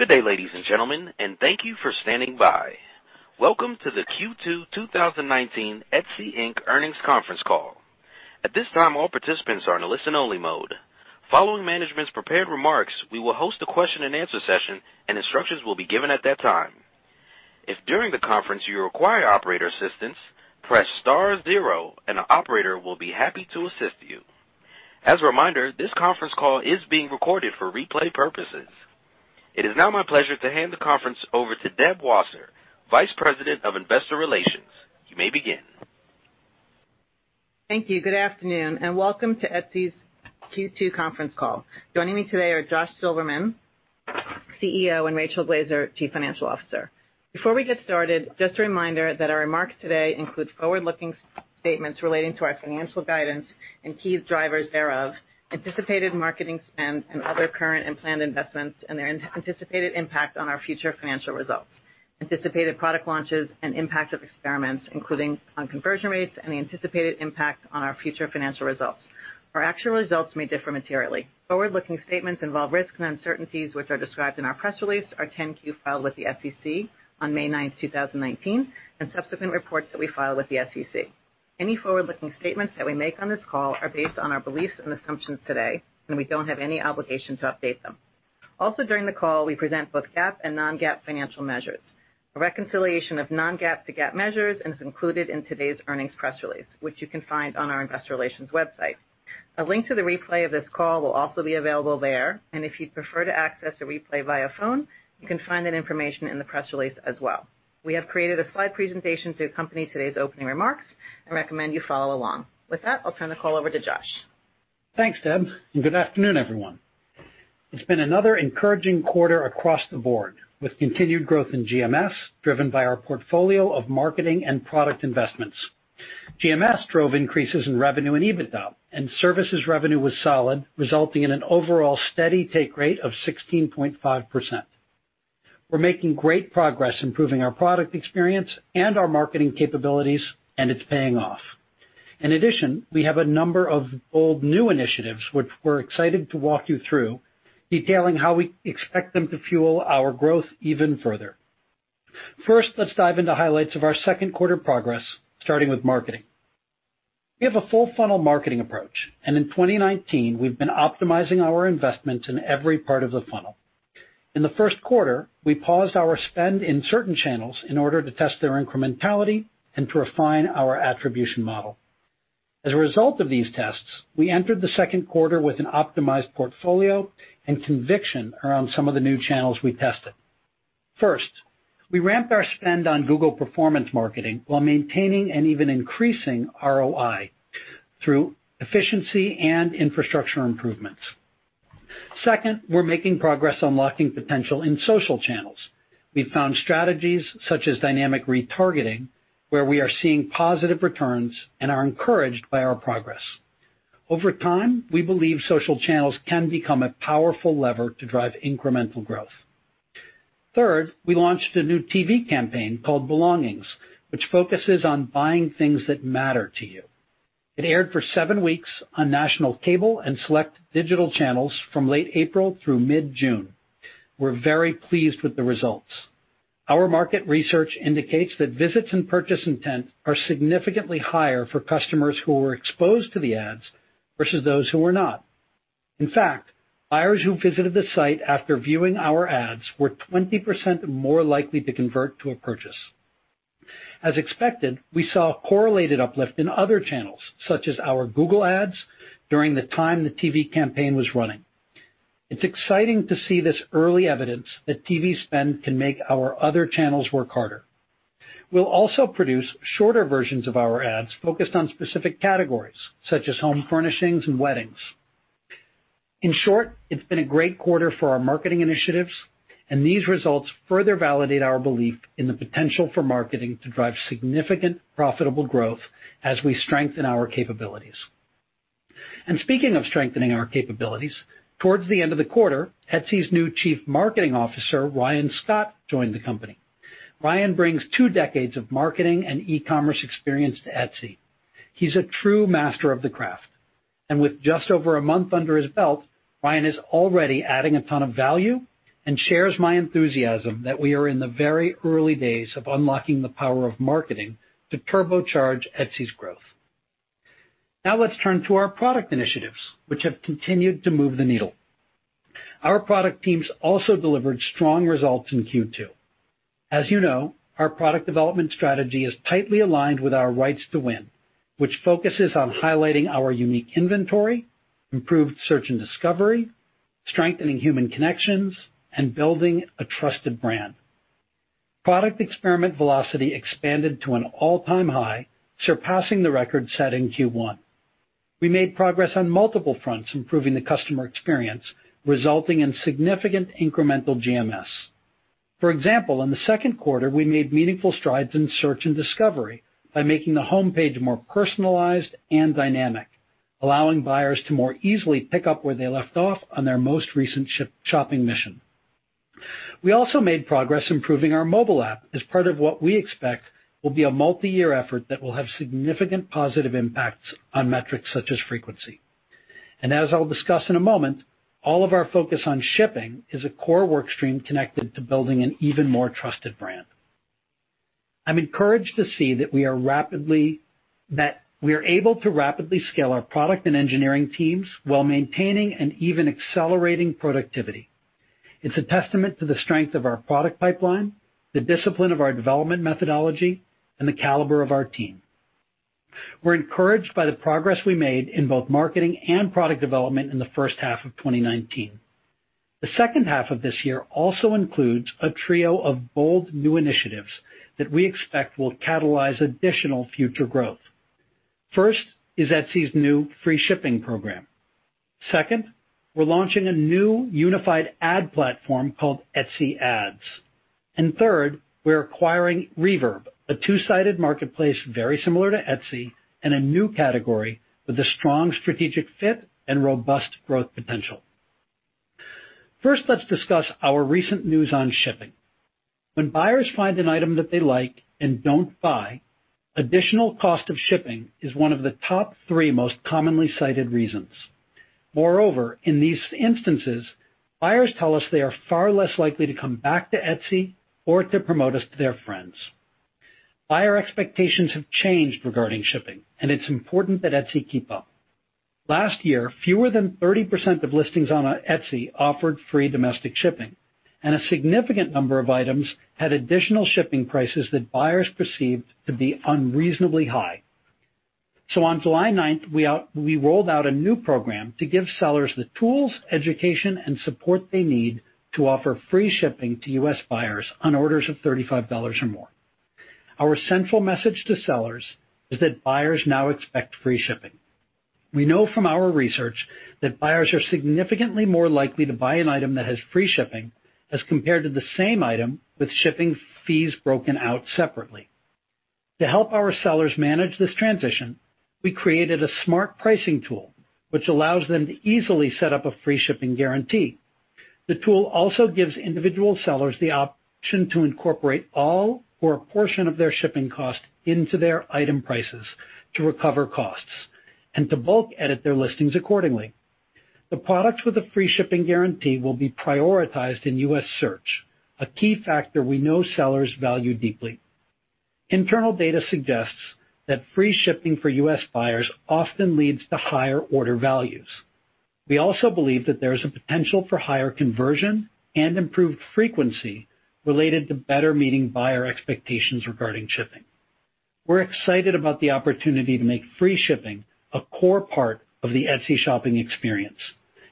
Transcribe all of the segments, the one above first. Good day, ladies and gentlemen, and thank you for standing by. Welcome to the Q2 2019 Etsy, Inc. earnings conference call. At this time, all participants are in a listen-only mode. Following management's prepared remarks, we will host a question and answer session, and instructions will be given at that time. If, during the conference, you require operator assistance, press star zero, and an operator will be happy to assist you. As a reminder, this conference call is being recorded for replay purposes. It is now my pleasure to hand the conference over to Deb Wasser, Vice President of Investor Relations. You may begin. Thank you. Good afternoon, and welcome to Etsy's Q2 conference call. Joining me today are Josh Silverman, CEO, and Rachel Glaser, Chief Financial Officer. Before we get started, just a reminder that our remarks today include forward-looking statements relating to our financial guidance and key drivers thereof, anticipated marketing spend and other current and planned investments, and their anticipated impact on our future financial results, anticipated product launches and impact of experiments, including on conversion rates and the anticipated impact on our future financial results. Our actual results may differ materially. Forward-looking statements involve risks and uncertainties, which are described in our press release, our 10-Q filed with the SEC on May 9, 2019, and subsequent reports that we file with the SEC. Any forward-looking statements that we make on this call are based on our beliefs and assumptions today, and we don't have any obligation to update them. Also, during the call, we present both GAAP and non-GAAP financial measures. A reconciliation of non-GAAP to GAAP measures is included in today's earnings press release, which you can find on our investor relations website. A link to the replay of this call will also be available there, and if you'd prefer to access a replay via phone, you can find that information in the press release as well. We have created a slide presentation to accompany today's opening remarks and recommend you follow along. With that, I'll turn the call over to Josh. Thanks, Deb. Good afternoon, everyone. It's been another encouraging quarter across the board with continued growth in GMS, driven by our portfolio of marketing and product investments. GMS drove increases in revenue and EBITDA. Services revenue was solid, resulting in an overall steady take rate of 16.5%. We're making great progress improving our product experience and our marketing capabilities. It's paying off. In addition, we have a number of bold new initiatives which we're excited to walk you through, detailing how we expect them to fuel our growth even further. First, let's dive into highlights of our second quarter progress, starting with marketing. We have a full-funnel marketing approach. In 2019, we've been optimizing our investments in every part of the funnel. In the first quarter, we paused our spend in certain channels in order to test their incrementality and to refine our attribution model. As a result of these tests, we entered the second quarter with an optimized portfolio and conviction around some of the new channels we tested. First, we ramped our spend on Google performance marketing while maintaining and even increasing ROI through efficiency and infrastructure improvements. Second, we're making progress unlocking potential in social channels. We've found strategies such as dynamic retargeting, where we are seeing positive returns and are encouraged by our progress. Over time, we believe social channels can become a powerful lever to drive incremental growth. Third, we launched a new TV campaign called Belongings, which focuses on buying things that matter to you. It aired for seven weeks on national cable and select digital channels from late April through mid-June. We're very pleased with the results. Our market research indicates that visits and purchase intent are significantly higher for customers who were exposed to the ads versus those who were not. In fact, buyers who visited the site after viewing our ads were 20% more likely to convert to a purchase. As expected, we saw a correlated uplift in other channels, such as our Google Ads, during the time the TV campaign was running. It's exciting to see this early evidence that TV spend can make our other channels work harder. We'll also produce shorter versions of our ads focused on specific categories, such as home furnishings and weddings. In short, it's been a great quarter for our marketing initiatives, and these results further validate our belief in the potential for marketing to drive significant profitable growth as we strengthen our capabilities. Speaking of strengthening our capabilities, towards the end of the quarter, Etsy's new Chief Marketing Officer, Ryan Scott, joined the company. Ryan brings 2 decades of marketing and e-commerce experience to Etsy. He's a true master of the craft, and with just over one month under his belt, Ryan is already adding a ton of value and shares my enthusiasm that we are in the very early days of unlocking the power of marketing to turbocharge Etsy's growth. Now let's turn to our product initiatives, which have continued to move the needle. Our product teams also delivered strong results in Q2. As you know, our product development strategy is tightly aligned with our rights to win, which focuses on highlighting our unique inventory, improved search and discovery, strengthening human connections, and building a trusted brand. Product experiment velocity expanded to an all-time high, surpassing the record set in Q1. We made progress on multiple fronts, improving the customer experience, resulting in significant incremental GMS. For example, in the second quarter, we made meaningful strides in search and discovery by making the homepage more personalized and dynamic, allowing buyers to more easily pick up where they left off on their most recent shopping mission. We also made progress improving our mobile app as part of what we expect will be a multi-year effort that will have significant positive impacts on metrics such as frequency. As I'll discuss in a moment, all of our focus on shipping is a core work stream connected to building an even more trusted brand. I'm encouraged to see that we are able to rapidly scale our product and engineering teams while maintaining and even accelerating productivity. It's a testament to the strength of our product pipeline, the discipline of our development methodology, and the caliber of our team. We're encouraged by the progress we made in both marketing and product development in the first half of 2019. The second half of this year also includes a trio of bold new initiatives that we expect will catalyze additional future growth. First is Etsy's new free shipping program. Second, we're launching a new unified ad platform called Etsy Ads. Third, we're acquiring Reverb, a two-sided marketplace very similar to Etsy in a new category with a strong strategic fit and robust growth potential. First, let's discuss our recent news on shipping. When buyers find an item that they like and don't buy, additional cost of shipping is one of the top three most commonly cited reasons. Moreover, in these instances, buyers tell us they are far less likely to come back to Etsy or to promote us to their friends. Buyer expectations have changed regarding shipping, and it's important that Etsy keep up. Last year, fewer than 30% of listings on Etsy offered free domestic shipping, and a significant number of items had additional shipping prices that buyers perceived to be unreasonably high. On July 9th, we rolled out a new program to give sellers the tools, education, and support they need to offer free shipping to U.S. buyers on orders of $35 or more. Our central message to sellers is that buyers now expect free shipping. We know from our research that buyers are significantly more likely to buy an item that has free shipping as compared to the same item with shipping fees broken out separately. To help our sellers manage this transition, we created a smart pricing tool, which allows them to easily set up a free shipping guarantee. The tool also gives individual sellers the option to incorporate all or a portion of their shipping cost into their item prices to recover costs and to bulk edit their listings accordingly. The products with a free shipping guarantee will be prioritized in U.S. search, a key factor we know sellers value deeply. Internal data suggests that free shipping for U.S. buyers often leads to higher order values. We also believe that there is a potential for higher conversion and improved frequency related to better meeting buyer expectations regarding shipping. We're excited about the opportunity to make free shipping a core part of the Etsy shopping experience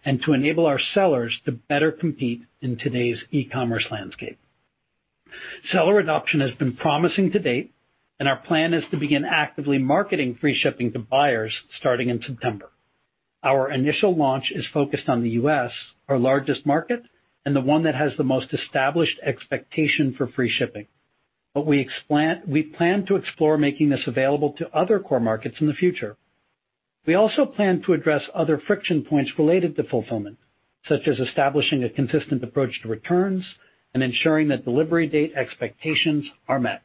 and to enable our sellers to better compete in today's e-commerce landscape. Seller adoption has been promising to date, and our plan is to begin actively marketing free shipping to buyers starting in September. Our initial launch is focused on the U.S., our largest market and the one that has the most established expectation for free shipping, but we plan to explore making this available to other core markets in the future. We also plan to address other friction points related to fulfillment, such as establishing a consistent approach to returns and ensuring that delivery date expectations are met.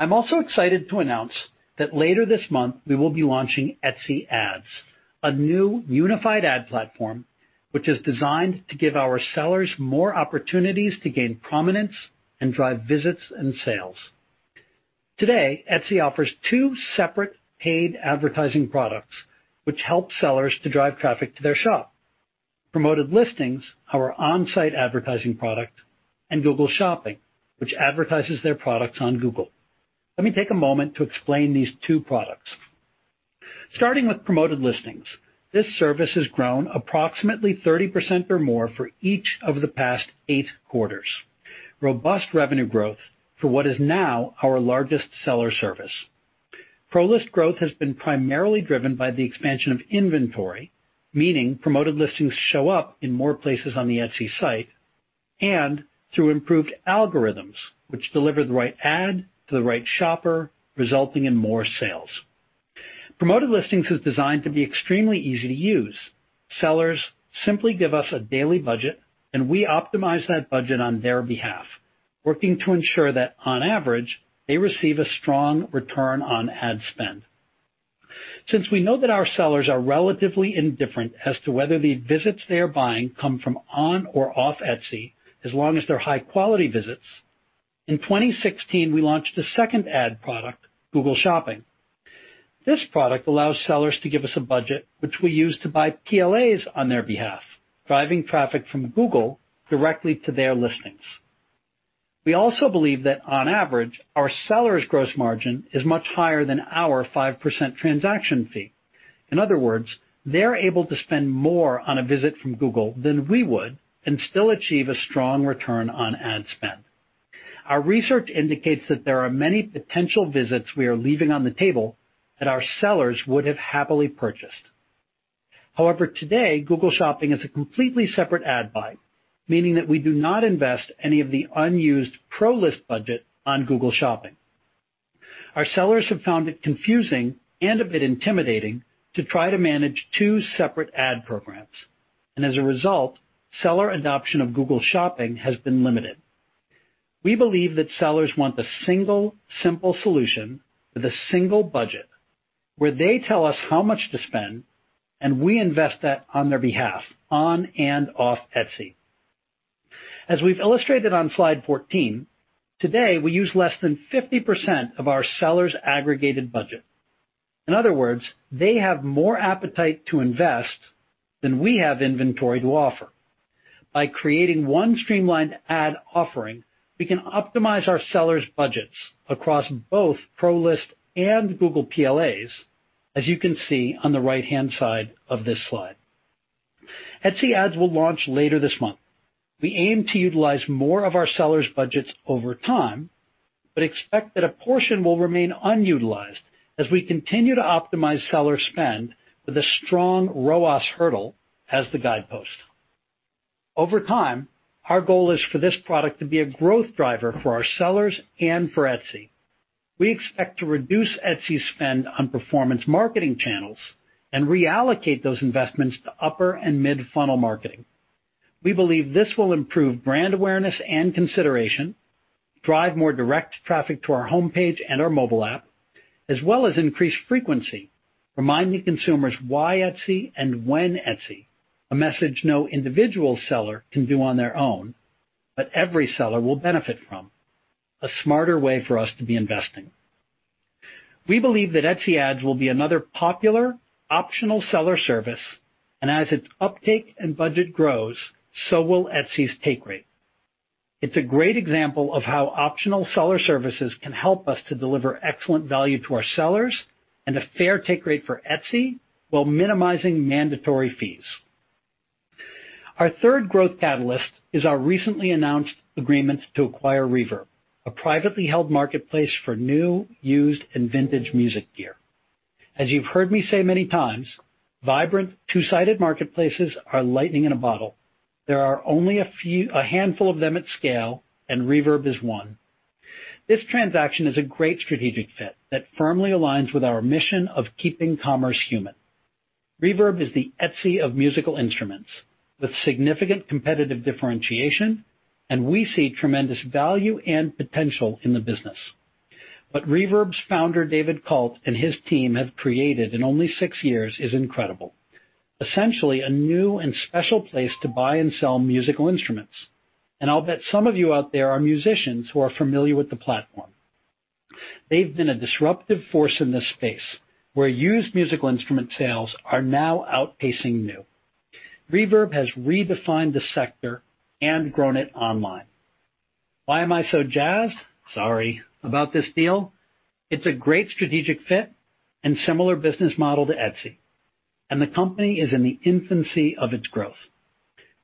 I'm also excited to announce that later this month, we will be launching Etsy Ads, a new unified ad platform which is designed to give our sellers more opportunities to gain prominence and drive visits and sales. Today, Etsy offers two separate paid advertising products which help sellers to drive traffic to their shop. Promoted Listings, our on-site advertising product, and Google Shopping, which advertises their products on Google. Let me take a moment to explain these two products. Starting with Promoted Listings, this service has grown approximately 30% or more for each of the past eight quarters. Robust revenue growth for what is now our largest seller service. Pro List growth has been primarily driven by the expansion of inventory, meaning Promoted Listings show up in more places on the Etsy site, and through improved algorithms, which deliver the right ad to the right shopper, resulting in more sales. Promoted Listings is designed to be extremely easy to use. Sellers simply give us a daily budget, and we optimize that budget on their behalf, working to ensure that, on average, they receive a strong return on ad spend. Since we know that our sellers are relatively indifferent as to whether the visits they are buying come from on or off Etsy, as long as they're high-quality visits, in 2016, we launched a second ad product, Google Shopping. This product allows sellers to give us a budget, which we use to buy PLAs on their behalf, driving traffic from Google directly to their listings. We also believe that on average, our sellers' gross margin is much higher than our 5% transaction fee. In other words, they're able to spend more on a visit from Google than we would and still achieve a strong return on ad spend. Our research indicates that there are many potential visits we are leaving on the table that our sellers would have happily purchased. However, today, Google Shopping is a completely separate ad buy, meaning that we do not invest any of the unused Pro List budget on Google Shopping. Our sellers have found it confusing and a bit intimidating to try to manage two separate ad programs. As a result, seller adoption of Google Shopping has been limited. We believe that sellers want the single, simple solution with a single budget where they tell us how much to spend and we invest that on their behalf, on and off Etsy. As we've illustrated on slide 14, today, we use less than 50% of our sellers' aggregated budget. In other words, they have more appetite to invest than we have inventory to offer. By creating one streamlined ad offering, we can optimize our sellers' budgets across both Promoted Listings and Google PLAs, as you can see on the right-hand side of this slide. Etsy Ads will launch later this month. We aim to utilize more of our sellers' budgets over time, but expect that a portion will remain unutilized as we continue to optimize seller spend with a strong ROAS hurdle as the guidepost. Over time, our goal is for this product to be a growth driver for our sellers and for Etsy. We expect to reduce Etsy spend on performance marketing channels and reallocate those investments to upper and mid-funnel marketing. We believe this will improve brand awareness and consideration, drive more direct traffic to our homepage and our mobile app, as well as increase frequency, reminding consumers why Etsy and when Etsy, a message no individual seller can do on their own, but every seller will benefit from. A smarter way for us to be investing. We believe that Etsy Ads will be another popular optional seller service, and as its uptake and budget grows, so will Etsy's take rate. It's a great example of how optional seller services can help us to deliver excellent value to our sellers and a fair take rate for Etsy while minimizing mandatory fees. Our third growth catalyst is our recently announced agreement to acquire Reverb, a privately held marketplace for new, used, and vintage music gear. As you've heard me say many times, vibrant two-sided marketplaces are lightning in a bottle. There are only a handful of them at scale, and Reverb is one. This transaction is a great strategic fit that firmly aligns with our mission of keeping commerce human. Reverb is the Etsy of musical instruments with significant competitive differentiation, and we see tremendous value and potential in the business. What Reverb's founder, David Kalt, and his team have created in only six years is incredible. Essentially, a new and special place to buy and sell musical instruments. I'll bet some of you out there are musicians who are familiar with the platform. They've been a disruptive force in this space where used musical instrument sales are now outpacing new. Reverb has redefined the sector and grown it online. Why am I so jazzed, sorry, about this deal? It's a great strategic fit and similar business model to Etsy, and the company is in the infancy of its growth.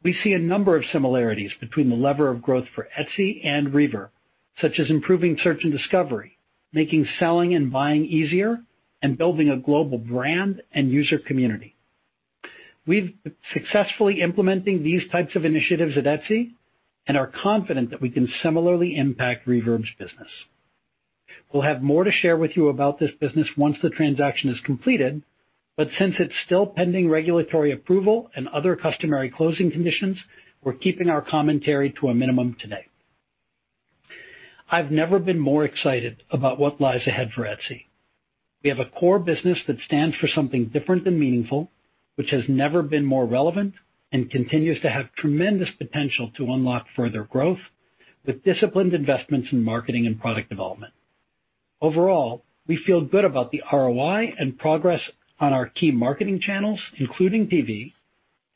We see a number of similarities between the lever of growth for Etsy and Reverb, such as improving search and discovery, making selling and buying easier, and building a global brand and user community. We've been successfully implementing these types of initiatives at Etsy and are confident that we can similarly impact Reverb's business. We'll have more to share with you about this business once the transaction is completed, but since it's still pending regulatory approval and other customary closing conditions, we're keeping our commentary to a minimum today. I've never been more excited about what lies ahead for Etsy. We have a core business that stands for something different and meaningful, which has never been more relevant and continues to have tremendous potential to unlock further growth with disciplined investments in marketing and product development. Overall, we feel good about the ROI and progress on our key marketing channels, including TV,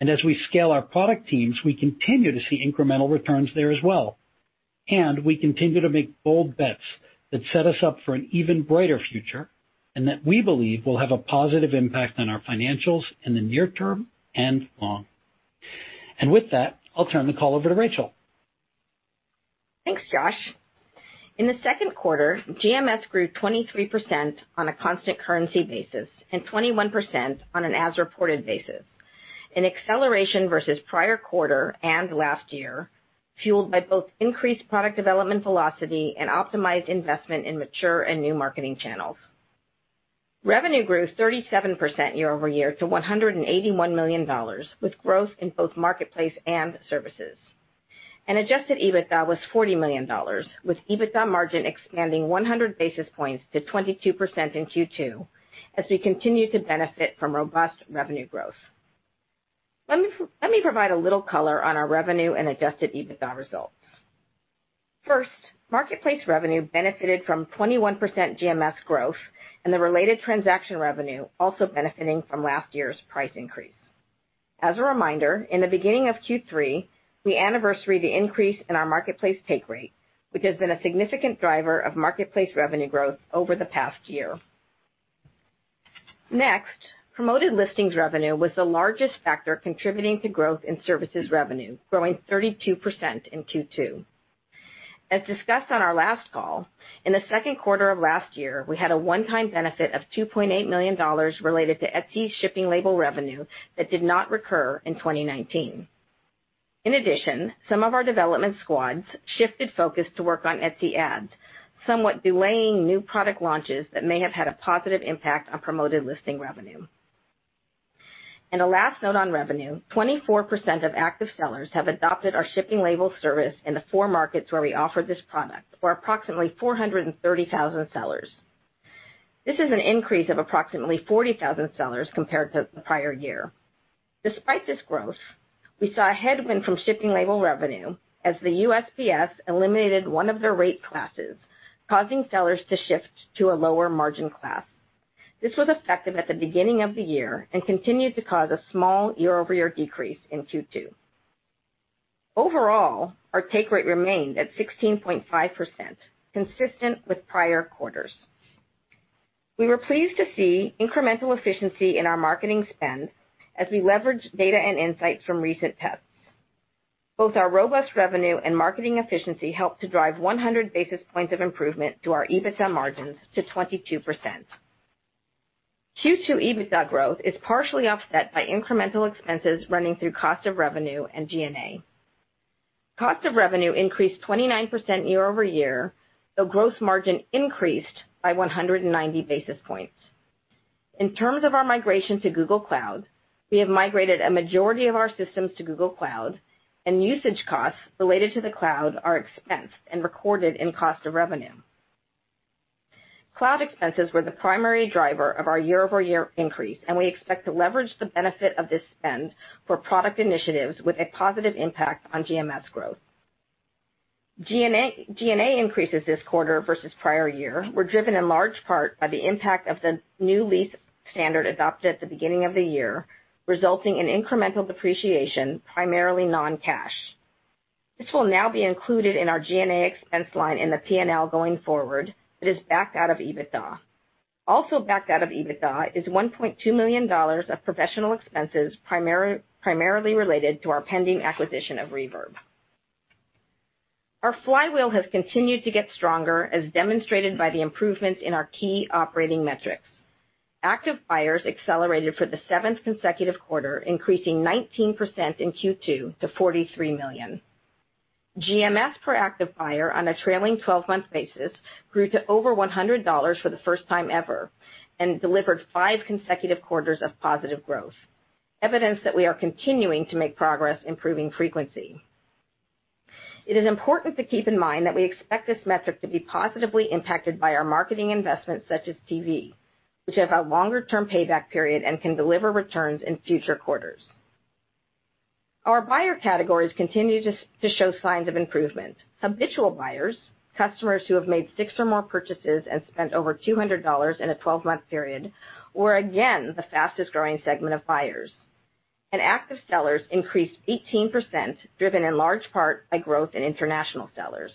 and as we scale our product teams, we continue to see incremental returns there as well. We continue to make bold bets that set us up for an even brighter future and that we believe will have a positive impact on our financials in the near term and long. With that, I'll turn the call over to Rachel. Thanks, Josh. In the second quarter, GMS grew 23% on a constant currency basis and 21% on an as reported basis. An acceleration versus prior quarter and last year, fueled by both increased product development velocity and optimized investment in mature and new marketing channels. Revenue grew 37% year over year to $181 million, with growth in both marketplace and services. Adjusted EBITDA was $40 million, with EBITDA margin expanding 100 basis points to 22% in Q2 as we continue to benefit from robust revenue growth. Let me provide a little color on our revenue and adjusted EBITDA results. First, marketplace revenue benefited from 21% GMS growth and the related transaction revenue also benefiting from last year's price increase. As a reminder, in the beginning of Q3, we anniversaried the increase in our marketplace take rate, which has been a significant driver of marketplace revenue growth over the past year. Next, Promoted Listings revenue was the largest factor contributing to growth in services revenue, growing 32% in Q2. As discussed on our last call, in the second quarter of last year, we had a one-time benefit of $2.8 million related to Etsy's shipping label revenue that did not recur in 2019. In addition, some of our development squads shifted focus to work on Etsy Ads, somewhat delaying new product launches that may have had a positive impact on Promoted Listing revenue. A last note on revenue, 24% of active sellers have adopted our shipping label service in the four markets where we offer this product, or approximately 430,000 sellers. This is an increase of approximately 40,000 sellers compared to the prior year. Despite this growth, we saw a headwind from shipping label revenue as the USPS eliminated 1 of their rate classes, causing sellers to shift to a lower margin class. This was effective at the beginning of the year and continued to cause a small year-over-year decrease in Q2. Overall, our take rate remained at 16.5%, consistent with prior quarters. We were pleased to see incremental efficiency in our marketing spend as we leveraged data and insights from recent tests. Both our robust revenue and marketing efficiency helped to drive 100 basis points of improvement to our EBITDA margins to 22%. Q2 EBITDA growth is partially offset by incremental expenses running through cost of revenue and G&A. Cost of revenue increased 29% year-over-year, though gross margin increased by 190 basis points. In terms of our migration to Google Cloud, we have migrated a majority of our systems to Google Cloud. Usage costs related to the cloud are expensed and recorded in cost of revenue. Cloud expenses were the primary driver of our year-over-year increase. We expect to leverage the benefit of this spend for product initiatives with a positive impact on GMS growth. G&A increases this quarter versus prior year were driven in large part by the impact of the new lease standard adopted at the beginning of the year, resulting in incremental depreciation, primarily non-cash. This will now be included in our G&A expense line in the P&L going forward that is backed out of EBITDA. Also backed out of EBITDA is $1.2 million of professional expenses, primarily related to our pending acquisition of Reverb. Our flywheel has continued to get stronger, as demonstrated by the improvements in our key operating metrics. Active buyers accelerated for the seventh consecutive quarter, increasing 19% in Q2 to 43 million. GMS per active buyer on a trailing 12-month basis grew to over $100 for the first time ever, and delivered five consecutive quarters of positive growth, evidence that we are continuing to make progress improving frequency. It is important to keep in mind that we expect this metric to be positively impacted by our marketing investments such as TV, which have a longer-term payback period and can deliver returns in future quarters. Our buyer categories continue to show signs of improvement. Habitual buyers, customers who have made six or more purchases and spent over $200 in a 12-month period, were again the fastest-growing segment of buyers. Active sellers increased 18%, driven in large part by growth in international sellers.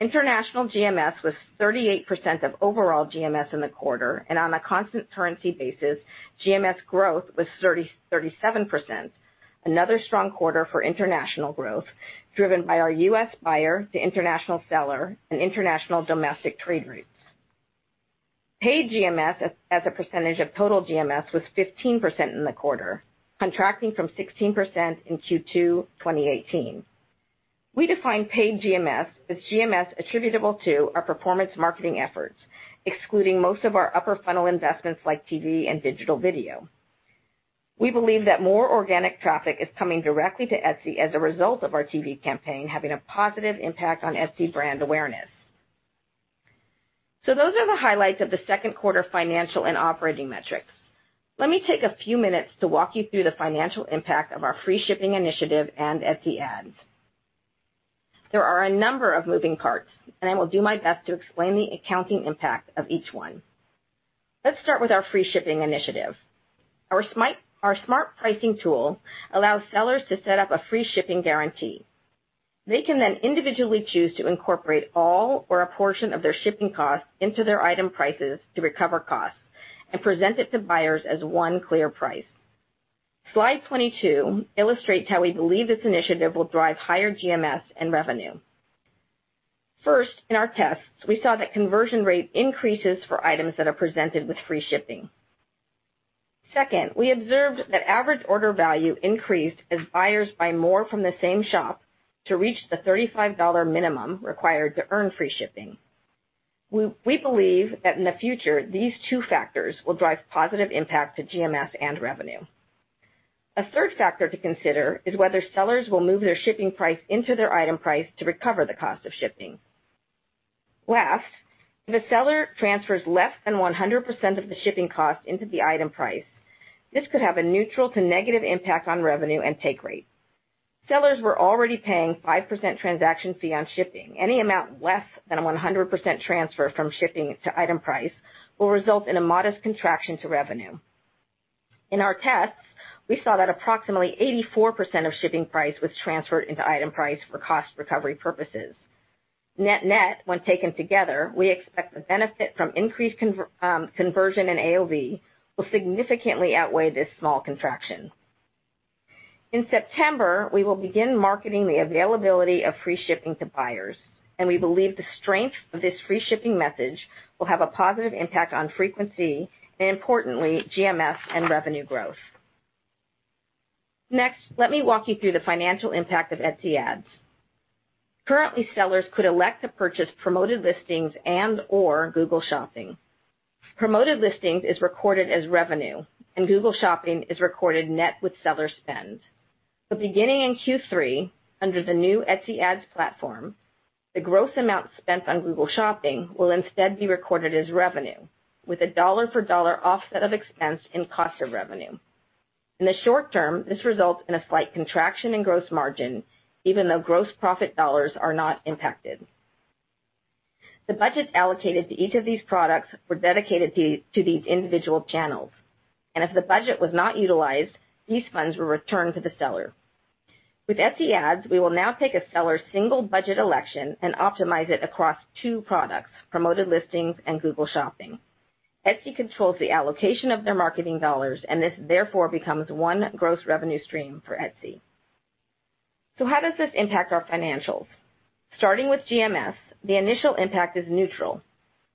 International GMS was 38% of overall GMS in the quarter, and on a constant currency basis, GMS growth was 37%, another strong quarter for international growth, driven by our U.S. buyer to international seller and international domestic trade routes. Paid GMS as a percentage of total GMS was 15% in the quarter, contracting from 16% in Q2 2018. We define paid GMS as GMS attributable to our performance marketing efforts, excluding most of our upper funnel investments like TV and digital video. We believe that more organic traffic is coming directly to Etsy as a result of our TV campaign having a positive impact on Etsy brand awareness. Those are the highlights of the second quarter financial and operating metrics. Let me take a few minutes to walk you through the financial impact of our free shipping initiative and Etsy Ads. There are a number of moving parts, and I will do my best to explain the accounting impact of each one. Let's start with our free shipping initiative. Our smart pricing tool allows sellers to set up a free shipping guarantee. They can then individually choose to incorporate all or a portion of their shipping costs into their item prices to recover costs and present it to buyers as one clear price. Slide 22 illustrates how we believe this initiative will drive higher GMS and revenue. First, in our tests, we saw that conversion rate increases for items that are presented with free shipping. Second, we observed that average order value increased as buyers buy more from the same shop to reach the $35 minimum required to earn free shipping. We believe that in the future, these two factors will drive positive impact to GMS and revenue. A third factor to consider is whether sellers will move their shipping price into their item price to recover the cost of shipping. Last, if a seller transfers less than 100% of the shipping cost into the item price, this could have a neutral to negative impact on revenue and take rate. Sellers were already paying 5% transaction fee on shipping. Any amount less than a 100% transfer from shipping to item price will result in a modest contraction to revenue. In our tests, we saw that approximately 84% of shipping price was transferred into item price for cost recovery purposes. Net-net, when taken together, we expect the benefit from increased conversion and AOV will significantly outweigh this small contraction. In September, we will begin marketing the availability of free shipping to buyers, and we believe the strength of this free shipping message will have a positive impact on frequency, and importantly, GMS and revenue growth. Let me walk you through the financial impact of Etsy Ads. Currently, sellers could elect to purchase Promoted Listings and/or Google Shopping. Promoted Listings is recorded as revenue, and Google Shopping is recorded net with seller spend. Beginning in Q3, under the new Etsy Ads platform, the gross amount spent on Google Shopping will instead be recorded as revenue with a dollar for dollar offset of expense and cost of revenue. In the short term, this results in a slight contraction in gross margin, even though gross profit dollars are not impacted. The budget allocated to each of these products were dedicated to these individual channels. If the budget was not utilized, these funds were returned to the seller. With Etsy Ads, we will now take a seller's single budget election and optimize it across two products, Promoted Listings and Google Shopping. Etsy controls the allocation of their marketing dollars, and this therefore becomes one gross revenue stream for Etsy. How does this impact our financials? Starting with GMS, the initial impact is neutral.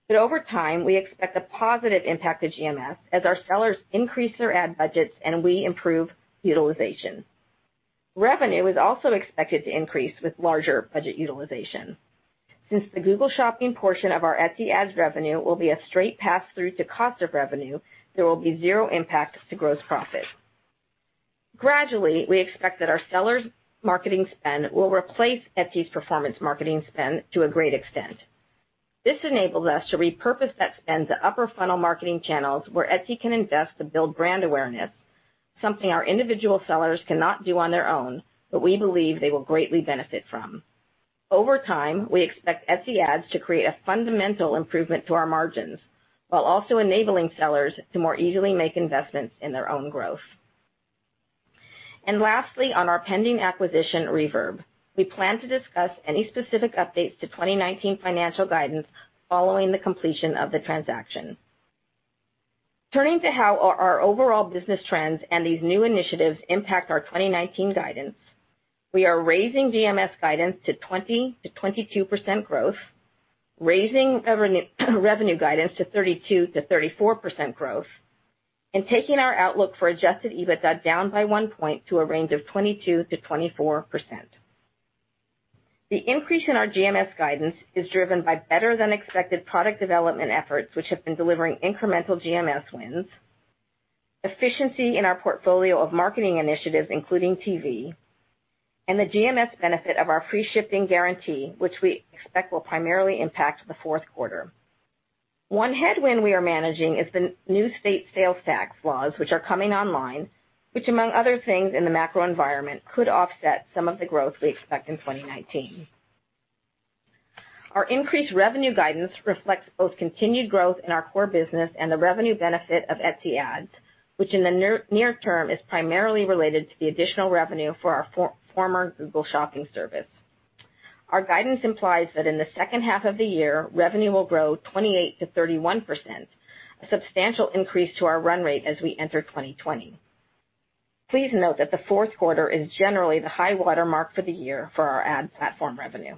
Over time, we expect a positive impact to GMS as our sellers increase their ad budgets and we improve utilization. Revenue is also expected to increase with larger budget utilization. Since the Google Shopping portion of our Etsy Ads revenue will be a straight pass-through to cost of revenue, there will be zero impact to gross profit. Gradually, we expect that our sellers' marketing spend will replace Etsy's performance marketing spend to a great extent. This enables us to repurpose that spend to upper funnel marketing channels where Etsy can invest to build brand awareness, something our individual sellers cannot do on their own, but we believe they will greatly benefit from. Over time, we expect Etsy Ads to create a fundamental improvement to our margins, while also enabling sellers to more easily make investments in their own growth. Lastly, on our pending acquisition, Reverb, we plan to discuss any specific updates to 2019 financial guidance following the completion of the transaction. Turning to how our overall business trends and these new initiatives impact our 2019 guidance, we are raising GMS guidance to 20%-22% growth, raising revenue guidance to 32%-34% growth, and taking our outlook for adjusted EBITDA down by one point to a range of 22%-24%. The increase in our GMS guidance is driven by better than expected product development efforts, which have been delivering incremental GMS wins, efficiency in our portfolio of marketing initiatives, including TV, and the GMS benefit of our Free Shipping Guarantee, which we expect will primarily impact the fourth quarter. One headwind we are managing is the new state sales tax laws which are coming online, which among other things in the macro environment, could offset some of the growth we expect in 2019. Our increased revenue guidance reflects both continued growth in our core business and the revenue benefit of Etsy Ads, which in the near term is primarily related to the additional revenue for our former Google Shopping service. Our guidance implies that in the second half of the year, revenue will grow 28%-31%, a substantial increase to our run rate as we enter 2020. Please note that the fourth quarter is generally the high water mark for the year for our ad platform revenue.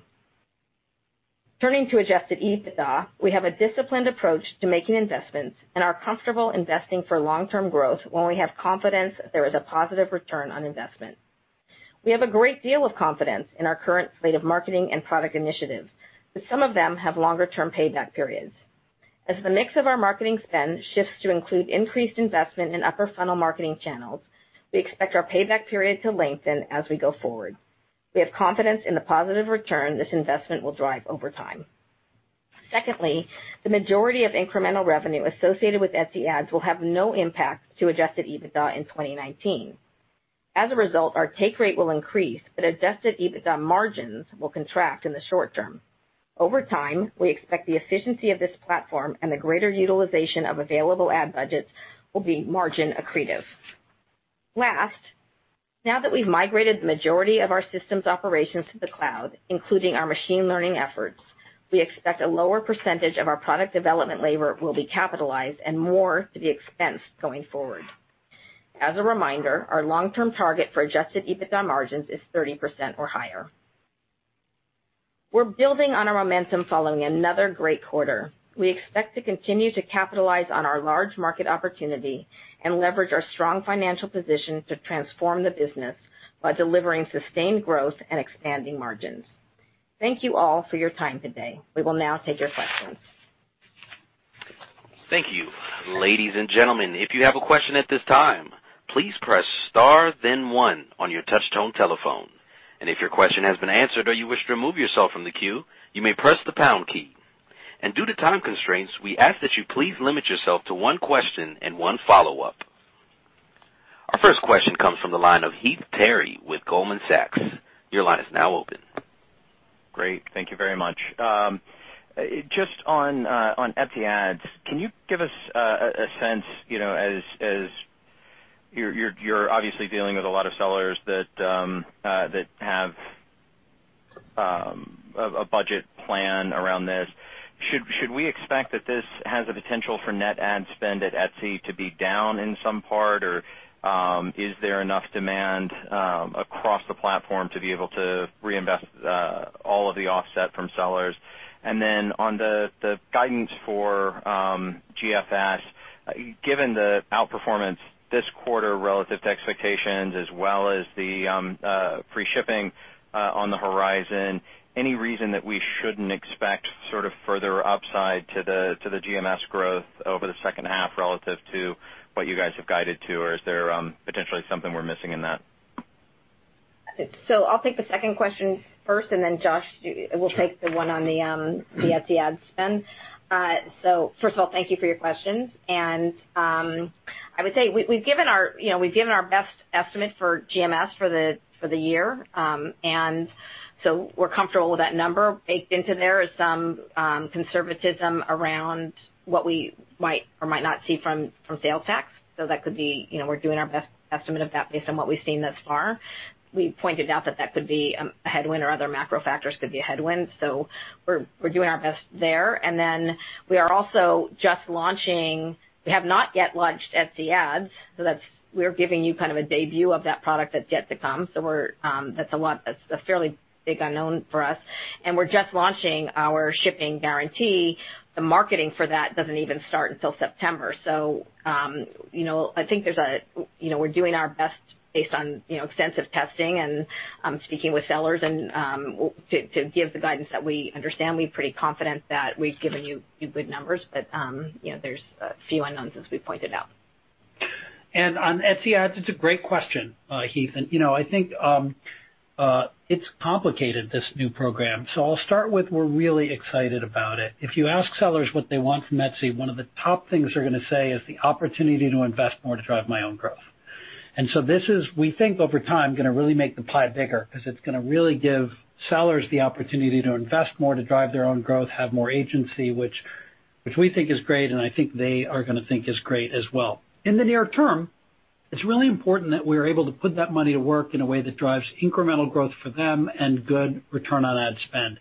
Turning to adjusted EBITDA, we have a disciplined approach to making investments and are comfortable investing for long-term growth when we have confidence that there is a positive return on investment. Some of them have longer-term payback periods. As the mix of our marketing spend shifts to include increased investment in upper funnel marketing channels, we expect our payback period to lengthen as we go forward. We have confidence in the positive return this investment will drive over time. Secondly, the majority of incremental revenue associated with Etsy Ads will have no impact to adjusted EBITDA in 2019. As a result, our take rate will increase, but adjusted EBITDA margins will contract in the short term. Over time, we expect the efficiency of this platform and the greater utilization of available ad budgets will be margin accretive. Last, now that we've migrated the majority of our systems operations to the cloud, including our machine learning efforts, we expect a lower percentage of our product development labor will be capitalized and more to be expensed going forward. As a reminder, our long-term target for adjusted EBITDA margins is 30% or higher. We're building on our momentum following another great quarter. We expect to continue to capitalize on our large market opportunity and leverage our strong financial position to transform the business by delivering sustained growth and expanding margins. Thank you all for your time today. We will now take your questions. Thank you. Ladies and gentlemen, if you have a question at this time, please press star then one on your touchtone telephone. If your question has been answered or you wish to remove yourself from the queue, you may press the pound key. Due to time constraints, we ask that you please limit yourself to one question and one follow-up. Our first question comes from the line of Heath Terry with Goldman Sachs. Your line is now open. Great. Thank you very much. Just on Etsy Ads, can you give us a sense as you're obviously dealing with a lot of sellers that have a budget plan around this. Should we expect that this has a potential for net ad spend at Etsy to be down in some part, or is there enough demand across the platform to be able to reinvest all of the offset from sellers? On the guidance for GMS Given the outperformance this quarter relative to expectations as well as the free shipping on the horizon, any reason that we shouldn't expect sort of further upside to the GMS growth over the second half relative to what you guys have guided to? Or is there potentially something we're missing in that? I'll take the second question first, then Josh will take the one on the Etsy Ads spend. I would say we've given our best estimate for GMS for the year. We're comfortable with that number. Baked into there is some conservatism around what we might or might not see from sales tax. That could be, we're doing our best estimate of that based on what we've seen thus far. We pointed out that that could be a headwind or other macro factors could be a headwind. We're doing our best there. We are also just launching We have not yet launched Etsy Ads, so we're giving you kind of a debut of that product that's yet to come. That's a fairly big unknown for us. We're just launching our shipping guarantee. The marketing for that doesn't even start until September. I think we're doing our best based on extensive testing and speaking with sellers and to give the guidance that we understand, we're pretty confident that we've given you good numbers. There's a few unknowns as we pointed out. On Etsy Ads, it's a great question, Heath. I think it's complicated, this new program. I'll start with, we're really excited about it. If you ask sellers what they want from Etsy, one of the top things they're going to say is the opportunity to invest more to drive my own growth. This is, we think over time, going to really make the pie bigger because it's going to really give sellers the opportunity to invest more, to drive their own growth, have more agency, which we think is great, and I think they are going to think is great as well. In the near term, it's really important that we are able to put that money to work in a way that drives incremental growth for them and good return on ad spend.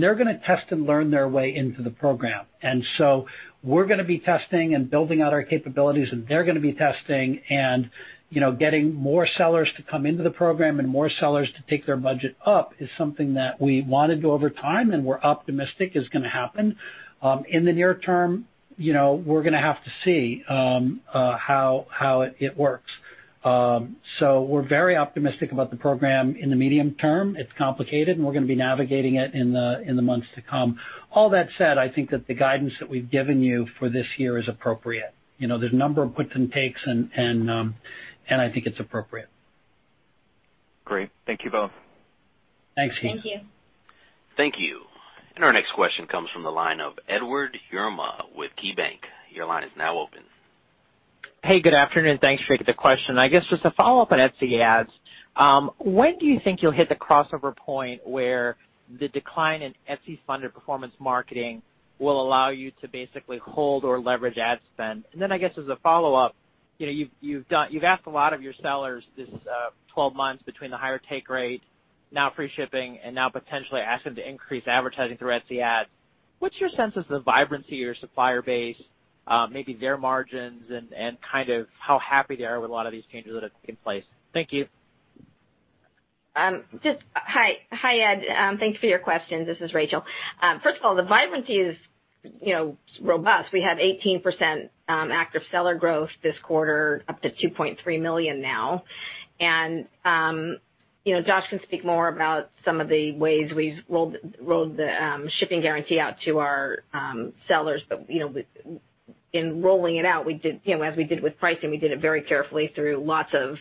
They're going to test and learn their way into the program. We're going to be testing and building out our capabilities, and they're going to be testing and getting more sellers to come into the program and more sellers to take their budget up is something that we want to do over time, and we're optimistic is going to happen. In the near term, we're going to have to see how it works. We're very optimistic about the program in the medium term. It's complicated, and we're going to be navigating it in the months to come. All that said, I think that the guidance that we've given you for this year is appropriate. There's a number of puts and takes, and I think it's appropriate. Great. Thank you both. Thanks, Heath. Thank you. Thank you. Our next question comes from the line of Edward Yruma with KeyBanc. Your line is now open. Hey, good afternoon. Thanks for taking the question. I guess just a follow-up on Etsy Ads. When do you think you'll hit the crossover point where the decline in Etsy-funded performance marketing will allow you to basically hold or leverage ad spend? Then I guess as a follow-up, you've asked a lot of your sellers this 12 months between the higher take rate, now free shipping, and now potentially asking to increase advertising through Etsy Ads. What's your sense of the vibrancy of your supplier base, maybe their margins, and kind of how happy they are with a lot of these changes that have been put in place? Thank you. Hi, Ed. Thanks for your questions. This is Rachel. First of all, the vibrancy is robust. We have 18% active seller growth this quarter, up to $2.3 million now. Josh can speak more about some of the ways we've rolled the shipping guarantee out to our sellers. In rolling it out, as we did with pricing, we did it very carefully through lots of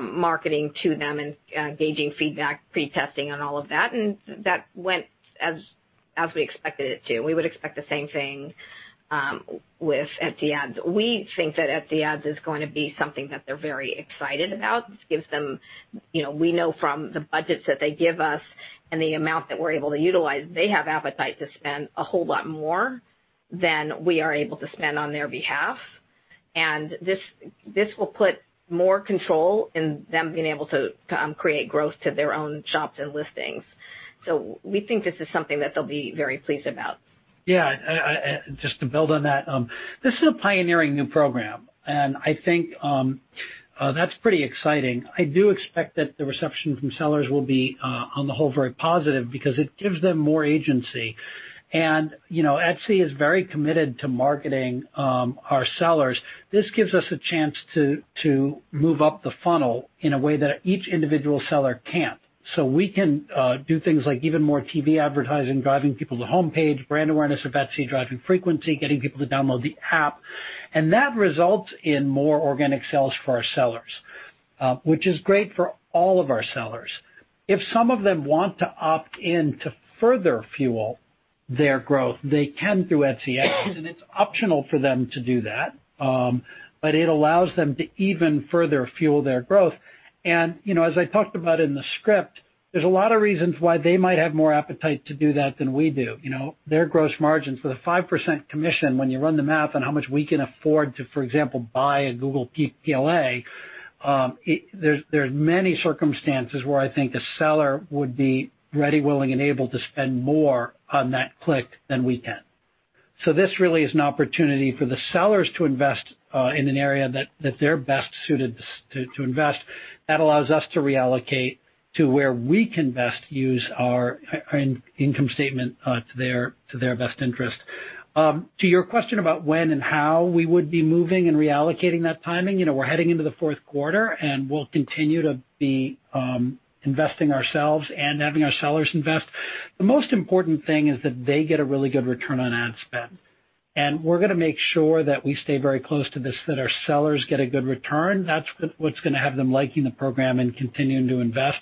marketing to them and gauging feedback, pre-testing, and all of that, and that went as we expected it to. We would expect the same thing with Etsy Ads. We think that Etsy Ads is going to be something that they're very excited about. We know from the budgets that they give us and the amount that we're able to utilize, they have appetite to spend a whole lot more than we are able to spend on their behalf. This will put more control in them being able to create growth to their own shops and listings. We think this is something that they'll be very pleased about. Yeah. Just to build on that. This is a pioneering new program. I think that's pretty exciting. I do expect that the reception from sellers will be, on the whole, very positive because it gives them more agency. Etsy is very committed to marketing our sellers. This gives us a chance to move up the funnel in a way that each individual seller can't. We can do things like even more TV advertising, driving people to the homepage, brand awareness of Etsy, driving frequency, getting people to download the app. That results in more organic sales for our sellers, which is great for all of our sellers. If some of them want to opt in to further fuel their growth, they can through Etsy Ads. It's optional for them to do that. It allows them to even further fuel their growth. As I talked about in the script, there's a lot of reasons why they might have more appetite to do that than we do. Their gross margins with a 5% commission, when you run the math on how much we can afford to, for example, buy a Google PLA, there's many circumstances where I think a seller would be ready, willing, and able to spend more on that click than we can. This really is an opportunity for the sellers to invest in an area that they're best suited to invest. That allows us to reallocate to where we can best use our income statement to their best interest. To your question about when and how we would be moving and reallocating that timing, we're heading into the fourth quarter, and we'll continue to be investing ourselves and having our sellers invest. The most important thing is that they get a really good return on ad spend. We're going to make sure that we stay very close to this, that our sellers get a good return. That's what's going to have them liking the program and continuing to invest.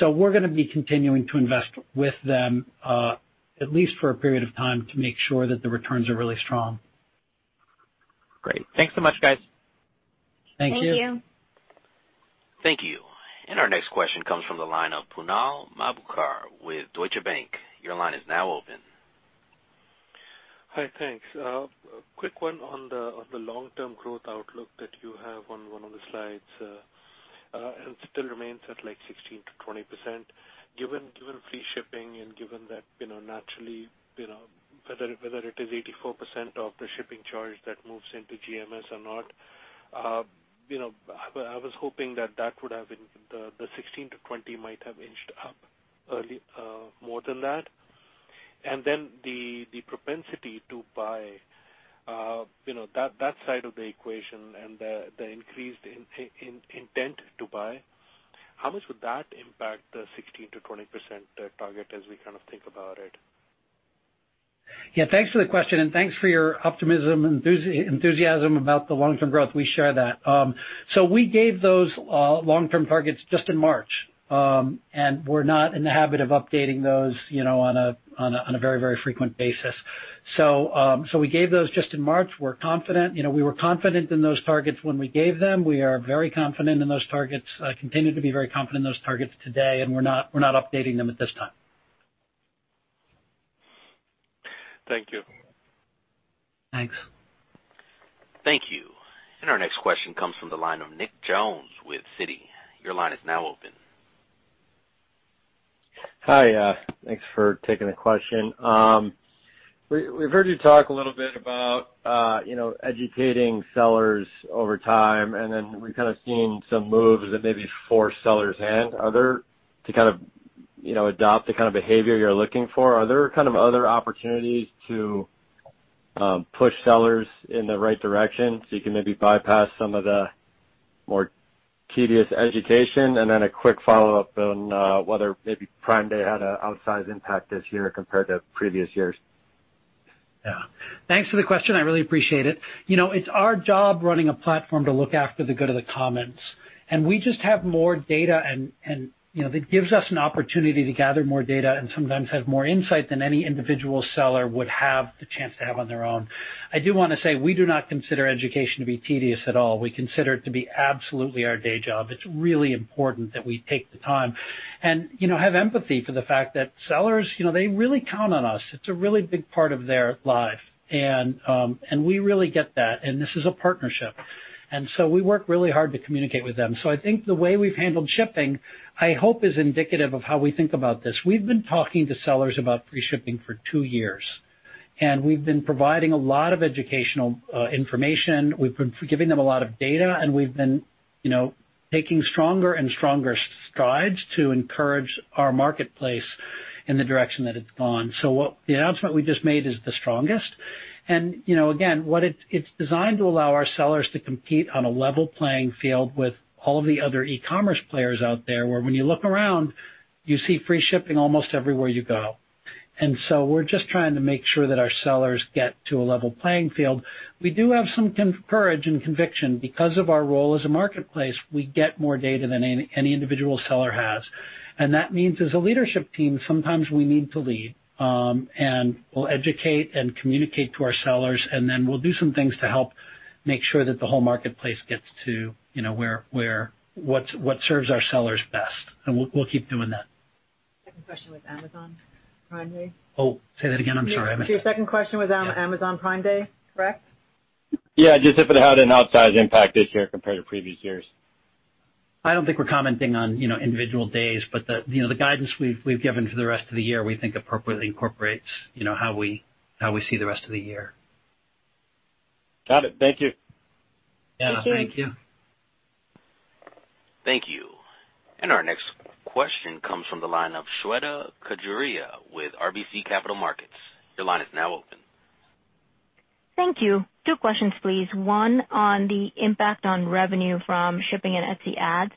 We're going to be continuing to invest with them, at least for a period of time, to make sure that the returns are really strong. Great. Thanks so much, guys. Thank you. Thank you. Our next question comes from the line of Kunal Madhukar with Deutsche Bank. Your line is now open. Hi, thanks. A quick one on the long-term growth outlook that you have on one of the slides, it still remains at 16%-20%. Given free shipping and given that naturally, whether it is 84% of the shipping charge that moves into GMS or not, I was hoping that the 16%-20% might have inched up more than that. Then the propensity to buy, that side of the equation, and the increased intent to buy, how much would that impact the 16%-20% target as we think about it? Yeah. Thanks for the question, and thanks for your optimism and enthusiasm about the long-term growth. We share that. We gave those long-term targets just in March, and we're not in the habit of updating those on a very frequent basis. We gave those just in March. We were confident in those targets when we gave them. We continue to be very confident in those targets today, and we're not updating them at this time. Thank you. Thanks. Thank you. Our next question comes from the line of Nicholas Jones with Citi. Your line is now open. Hi. Thanks for taking the question. We've heard you talk a little bit about educating sellers over time, and then we've kind of seen some moves that maybe force sellers' hand to adopt the kind of behavior you're looking for. Are there other opportunities to push sellers in the right direction so you can maybe bypass some of the more tedious education? A quick follow-up on whether maybe Prime Day had an outsize impact this year compared to previous years. Yeah. Thanks for the question. I really appreciate it. It's our job, running a platform, to look after the good of the commons. We just have more data, and that gives us an opportunity to gather more data and sometimes have more insight than any individual seller would have the chance to have on their own. I do want to say, we do not consider education to be tedious at all. We consider it to be absolutely our day job. It's really important that we take the time and have empathy for the fact that sellers, they really count on us. It's a really big part of their life. We really get that, and this is a partnership. We work really hard to communicate with them. I think the way we've handled shipping, I hope, is indicative of how we think about this. We've been talking to sellers about free shipping for 2 years, and we've been providing a lot of educational information. We've been giving them a lot of data, and we've been taking stronger and stronger strides to encourage our marketplace in the direction that it's gone. The announcement we just made is the strongest. Again, it's designed to allow our sellers to compete on a level playing field with all of the other e-commerce players out there, where when you look around, you see free shipping almost everywhere you go. We're just trying to make sure that our sellers get to a level playing field. We do have some courage and conviction. Because of our role as a marketplace, we get more data than any individual seller has. That means, as a leadership team, sometimes we need to lead. We'll educate and communicate to our sellers, and then we'll do some things to help make sure that the whole marketplace gets to what serves our sellers best. We'll keep doing that. Second question was Amazon Prime Day. Oh, say that again. I'm sorry, I missed that. Your second question was on Amazon Prime Day, correct? Just if it had an outsize impact this year compared to previous years. I don't think we're commenting on individual days, but the guidance we've given for the rest of the year, we think appropriately incorporates how we see the rest of the year. Got it. Thank you. Thank you. Our next question comes from the line of Shweta Khajuria with RBC Capital Markets. Your line is now open. Thank you. Two questions, please. One on the impact on revenue from shipping and Etsy Ads.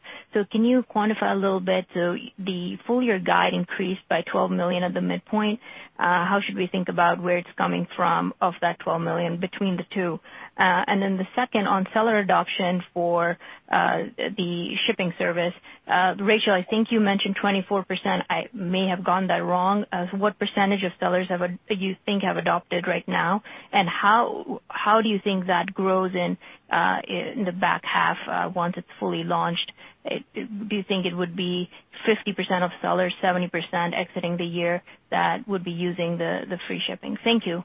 Can you quantify a little bit, so the full-year guide increased by $12 million at the midpoint. How should we think about where it's coming from, of that $12 million between the two? Then the second on seller adoption for the shipping service. Rachel, I think you mentioned 24%. I may have gotten that wrong. What percentage of sellers do you think have adopted right now, and how do you think that grows in the back half once it's fully launched? Do you think it would be 50% of sellers, 70% exiting the year that would be using the free shipping? Thank you.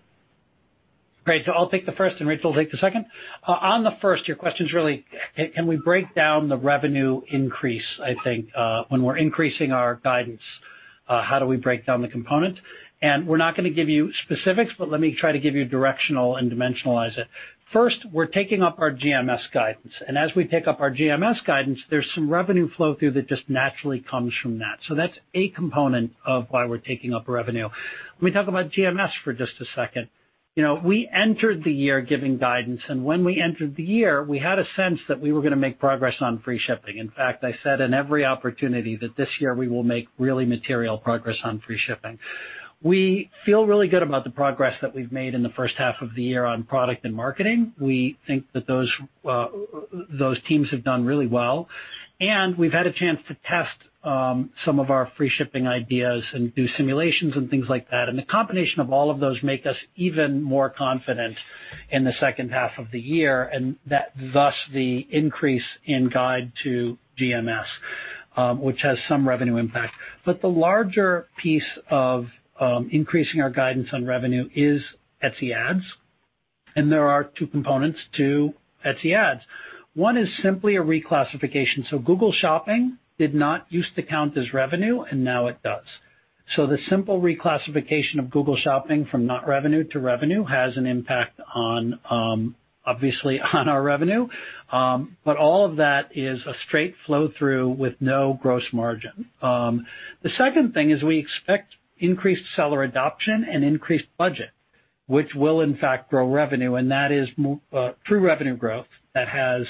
Great. I'll take the first and Rachel will take the second. On the first, your question's really, can we break down the revenue increase, I think, when we're increasing our guidance. How do we break down the component? We're not going to give you specifics, but let me try to give you directional and dimensionalize it. First, we're taking up our GMS guidance, and as we take up our GMS guidance, there's some revenue flow through that just naturally comes from that. That's a component of why we're taking up revenue. Let me talk about GMS for just a second. We entered the year giving guidance, and when we entered the year, we had a sense that we were going to make progress on free shipping. In fact, I said in every opportunity that this year we will make really material progress on free shipping. We feel really good about the progress that we've made in the first half of the year on product and marketing. We think that those teams have done really well, and we've had a chance to test some of our free shipping ideas and do simulations and things like that. The combination of all of those make us even more confident in the second half of the year, and thus the increase in guide to GMS, which has some revenue impact. The larger piece of increasing our guidance on revenue is Etsy Ads, and there are two components to Etsy Ads. One is simply a reclassification. Google Shopping did not used to count as revenue, and now it does. The simple reclassification of Google Shopping from not revenue to revenue has an impact, obviously, on our revenue. All of that is a straight flow-through with no gross margin. The second thing is we expect increased seller adoption and increased budget, which will in fact grow revenue, and that is true revenue growth that has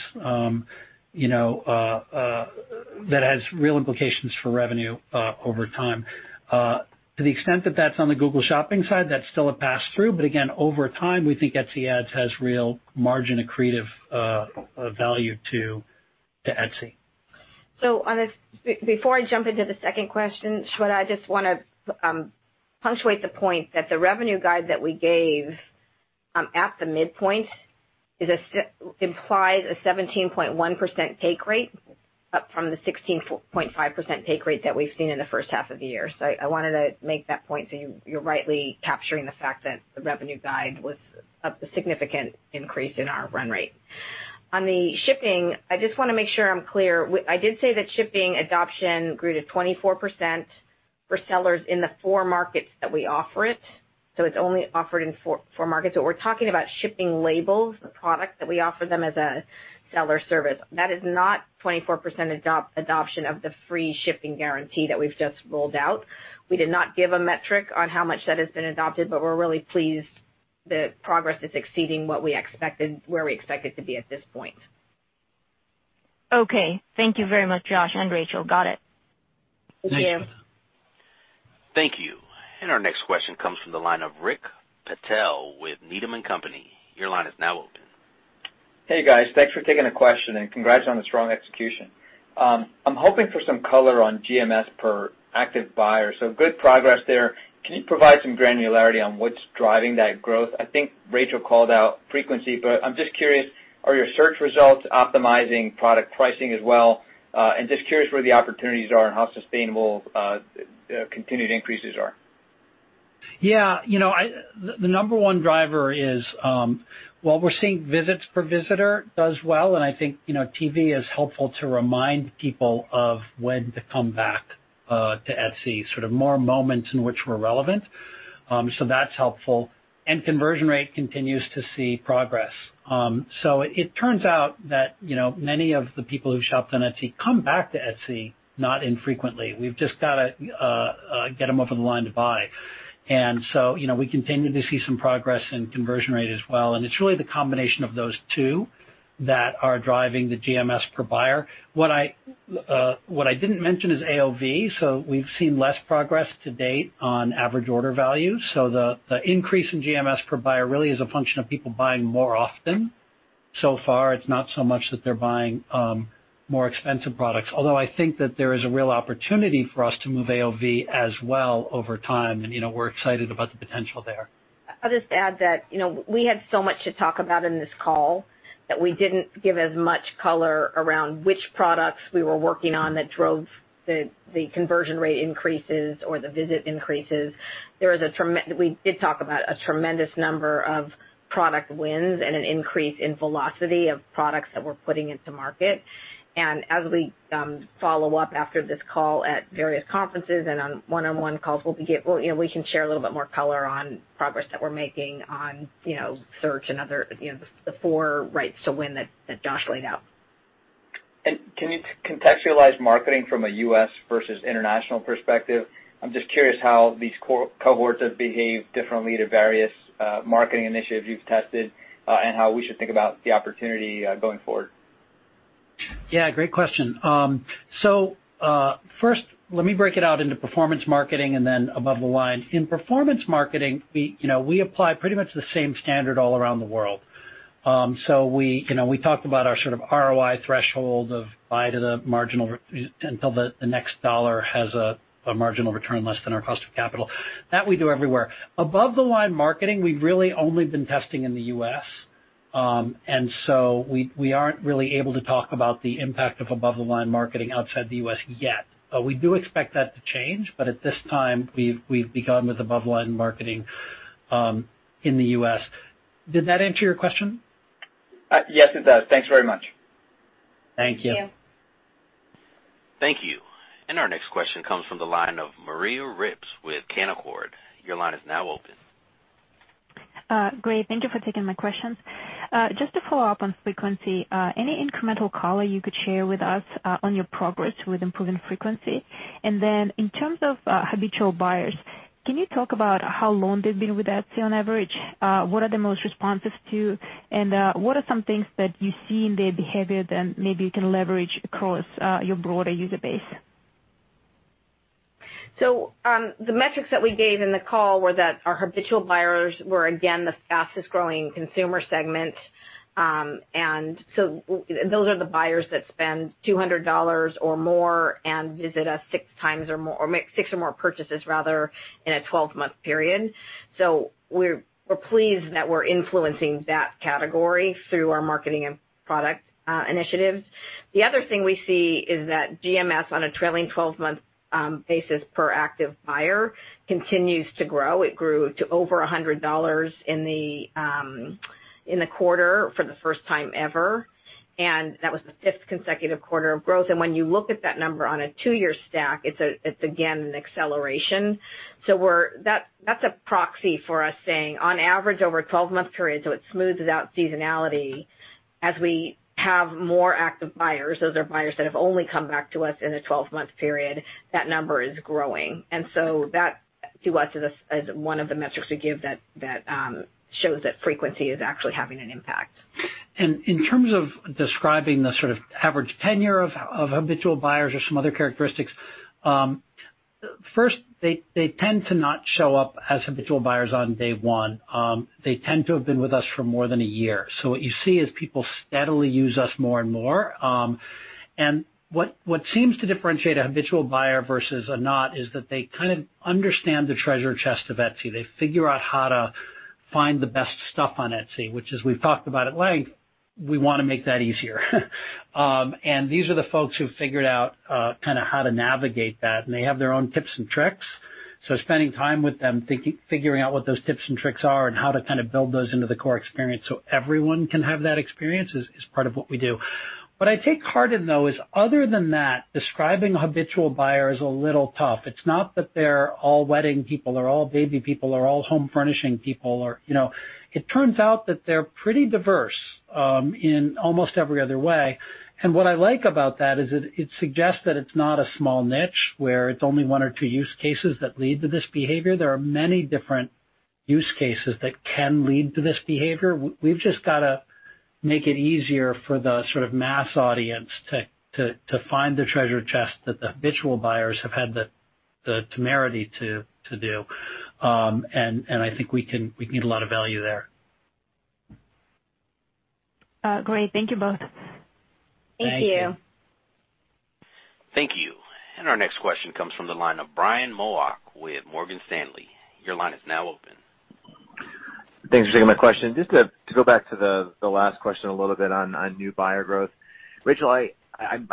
real implications for revenue over time. To the extent that that's on the Google Shopping side, that's still a pass-through, but again, over time, we think Etsy Ads has real margin accretive value to Etsy. Before I jump into the second question, Shweta, I just want to punctuate the point that the revenue guide that we gave at the midpoint implies a 17.1% take rate up from the 16.5% take rate that we've seen in the first half of the year. I wanted to make that point so you're rightly capturing the fact that the revenue guide was a significant increase in our run rate. On the shipping, I just want to make sure I'm clear. I did say that shipping adoption grew to 24% for sellers in the four markets that we offer it's only offered in four markets, but we're talking about shipping labels, the product that we offer them as a seller service. That is not 24% adoption of the free shipping guarantee that we've just rolled out. We did not give a metric on how much that has been adopted, but we're really pleased the progress is exceeding where we expect it to be at this point. Okay. Thank you very much, Josh and Rachel. Got it. Thank you. Thank you. Thank you. Our next question comes from the line of Rick Patel with Needham & Company. Your line is now open. Hey, guys. Thanks for taking the question, and congrats on the strong execution. I'm hoping for some color on GMS per active buyer. Good progress there. Can you provide some granularity on what's driving that growth? I think Rachel called out frequency. I'm just curious, are your search results optimizing product pricing as well? Just curious where the opportunities are and how sustainable the continued increases are. Yeah. The number one driver is, while we're seeing visits per visitor does well, and I think TV is helpful to remind people of when to come back to Etsy, sort of more moments in which we're relevant. That's helpful. Conversion rate continues to see progress. It turns out that many of the people who've shopped on Etsy come back to Etsy not infrequently. We've just got to get them over the line to buy. We continue to see some progress in conversion rate as well, and it's really the combination of those two that are driving the GMS per buyer. What I didn't mention is AOV. We've seen less progress to date on average order value. The increase in GMS per buyer really is a function of people buying more often. Far, it's not so much that they're buying more expensive products, although I think that there is a real opportunity for us to move AOV as well over time, and we're excited about the potential there. I'll just add that we had so much to talk about in this call that we didn't give as much color around which products we were working on that drove the conversion rate increases or the visit increases. We did talk about a tremendous number of product wins and an increase in velocity of products that we're putting into market. As we follow up after this call at various conferences and on one-on-one calls, we can share a little bit more color on progress that we're making on search and the four rights to win that Josh laid out. Can you contextualize marketing from a U.S. versus international perspective? I'm just curious how these cohorts have behaved differently to various marketing initiatives you've tested and how we should think about the opportunity going forward. Great question. First, let me break it out into performance marketing and then above the line. In performance marketing, we apply pretty much the same standard all around the world. We talked about our sort of ROI threshold of buy to the marginal until the next $1 has a marginal return less than our cost of capital. That we do everywhere. Above the line marketing, we've really only been testing in the U.S., we aren't really able to talk about the impact of above the line marketing outside the U.S. yet. We do expect that to change, at this time, we've begun with above the line marketing in the U.S. Did that answer your question? Yes, it does. Thanks very much. Thank you. Thank you. Our next question comes from the line of Maria Ripps with Canaccord. Your line is now open. Great. Thank you for taking my questions. Just to follow up on frequency, any incremental color you could share with us on your progress with improving frequency? In terms of habitual buyers, can you talk about how long they've been with Etsy on average? What are they most responsive to, and what are some things that you see in their behavior that maybe you can leverage across your broader user base? The metrics that we gave in the call were that our habitual buyers were, again, the fastest-growing consumer segment. Those are the buyers that spend $200 or more and visit us six times or more, or make six or more purchases rather, in a 12-month period. We're pleased that we're influencing that category through our marketing and product initiatives. The other thing we see is that GMS on a trailing 12-month basis per active buyer continues to grow. It grew to over $100 in the quarter for the first time ever, and that was the fifth consecutive quarter of growth. When you look at that number on a two-year stack, it's again an acceleration. That's a proxy for us saying, on average, over a 12-month period, so it smooths out seasonality. As we have more active buyers, those are buyers that have only come back to us in a 12-month period, that number is growing. That, to us, is one of the metrics we give that shows that frequency is actually having an impact. In terms of describing the sort of average tenure of habitual buyers or some other characteristics, first, they tend to not show up as habitual buyers on day one. They tend to have been with us for more than a year. What you see is people steadily use us more and more. What seems to differentiate a habitual buyer versus a not, is that they kind of understand the treasure chest of Etsy. They figure out how to find the best stuff on Etsy, which, as we've talked about at length, we want to make that easier. These are the folks who've figured out kind of how to navigate that, and they have their own tips and tricks. Spending time with them, figuring out what those tips and tricks are and how to kind of build those into the core experience so everyone can have that experience is part of what we do. What I take heart in, though, is other than that, describing a habitual buyer is a little tough. It's not that they're all wedding people, or all baby people, or all home furnishing people. It turns out that they're pretty diverse in almost every other way. What I like about that is that it suggests that it's not a small niche, where it's only one or two use cases that lead to this behavior. There are many different use cases that can lead to this behavior. We've just got to make it easier for the sort of mass audience to find the treasure chest that the habitual buyers have had the temerity to do. I think we can get a lot of value there. Great. Thank you both. Thank you. Thank you. Our next question comes from the line of Brian Nowak with Morgan Stanley. Your line is now open. Thanks for taking my question. Just to go back to the last question a little bit on new buyer growth. Rachel, I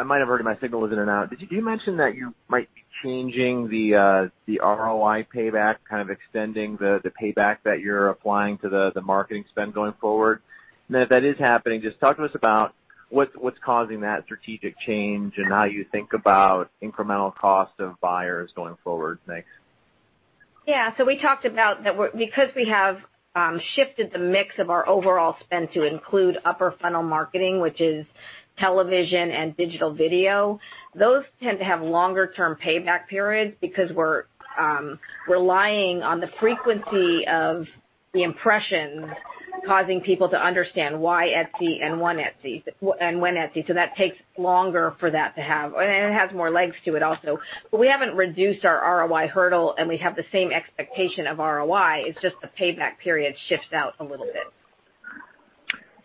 might have heard, my signal was in and out, did you mention that you might be changing the ROI payback, kind of extending the payback that you're applying to the marketing spend going forward? If that is happening, just talk to us about what's causing that strategic change and how you think about incremental cost of buyers going forward. Thanks. Yeah. We talked about that because we have shifted the mix of our overall spend to include upper funnel marketing, which is television and digital video, those tend to have longer-term payback periods because we're relying on the frequency of the impression causing people to understand why Etsy and when Etsy. That takes longer for that to have, and it has more legs to it also. We haven't reduced our ROI hurdle, and we have the same expectation of ROI. It's just the payback period shifts out a little bit.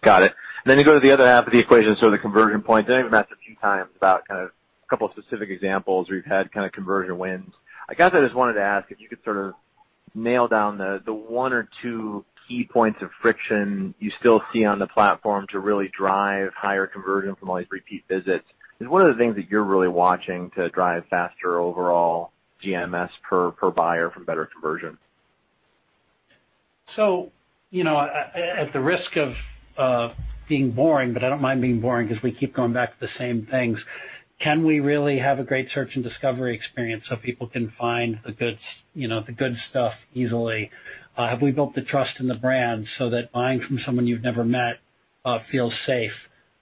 Got it. You go to the other half of the equation, the conversion point. I know you've mentioned a few times about kind of a couple of specific examples where you've had kind of conversion wins. I guess I just wanted to ask if you could sort of nail down the one or two key points of friction you still see on the platform to really drive higher conversion from all these repeat visits, because one of the things that you're really watching to drive faster overall GMS per buyer from better conversion. At the risk of being boring, but I don't mind being boring because we keep going back to the same things. Can we really have a great search and discovery experience so people can find the good stuff easily? Have we built the trust in the brand so that buying from someone you've never met feels safe?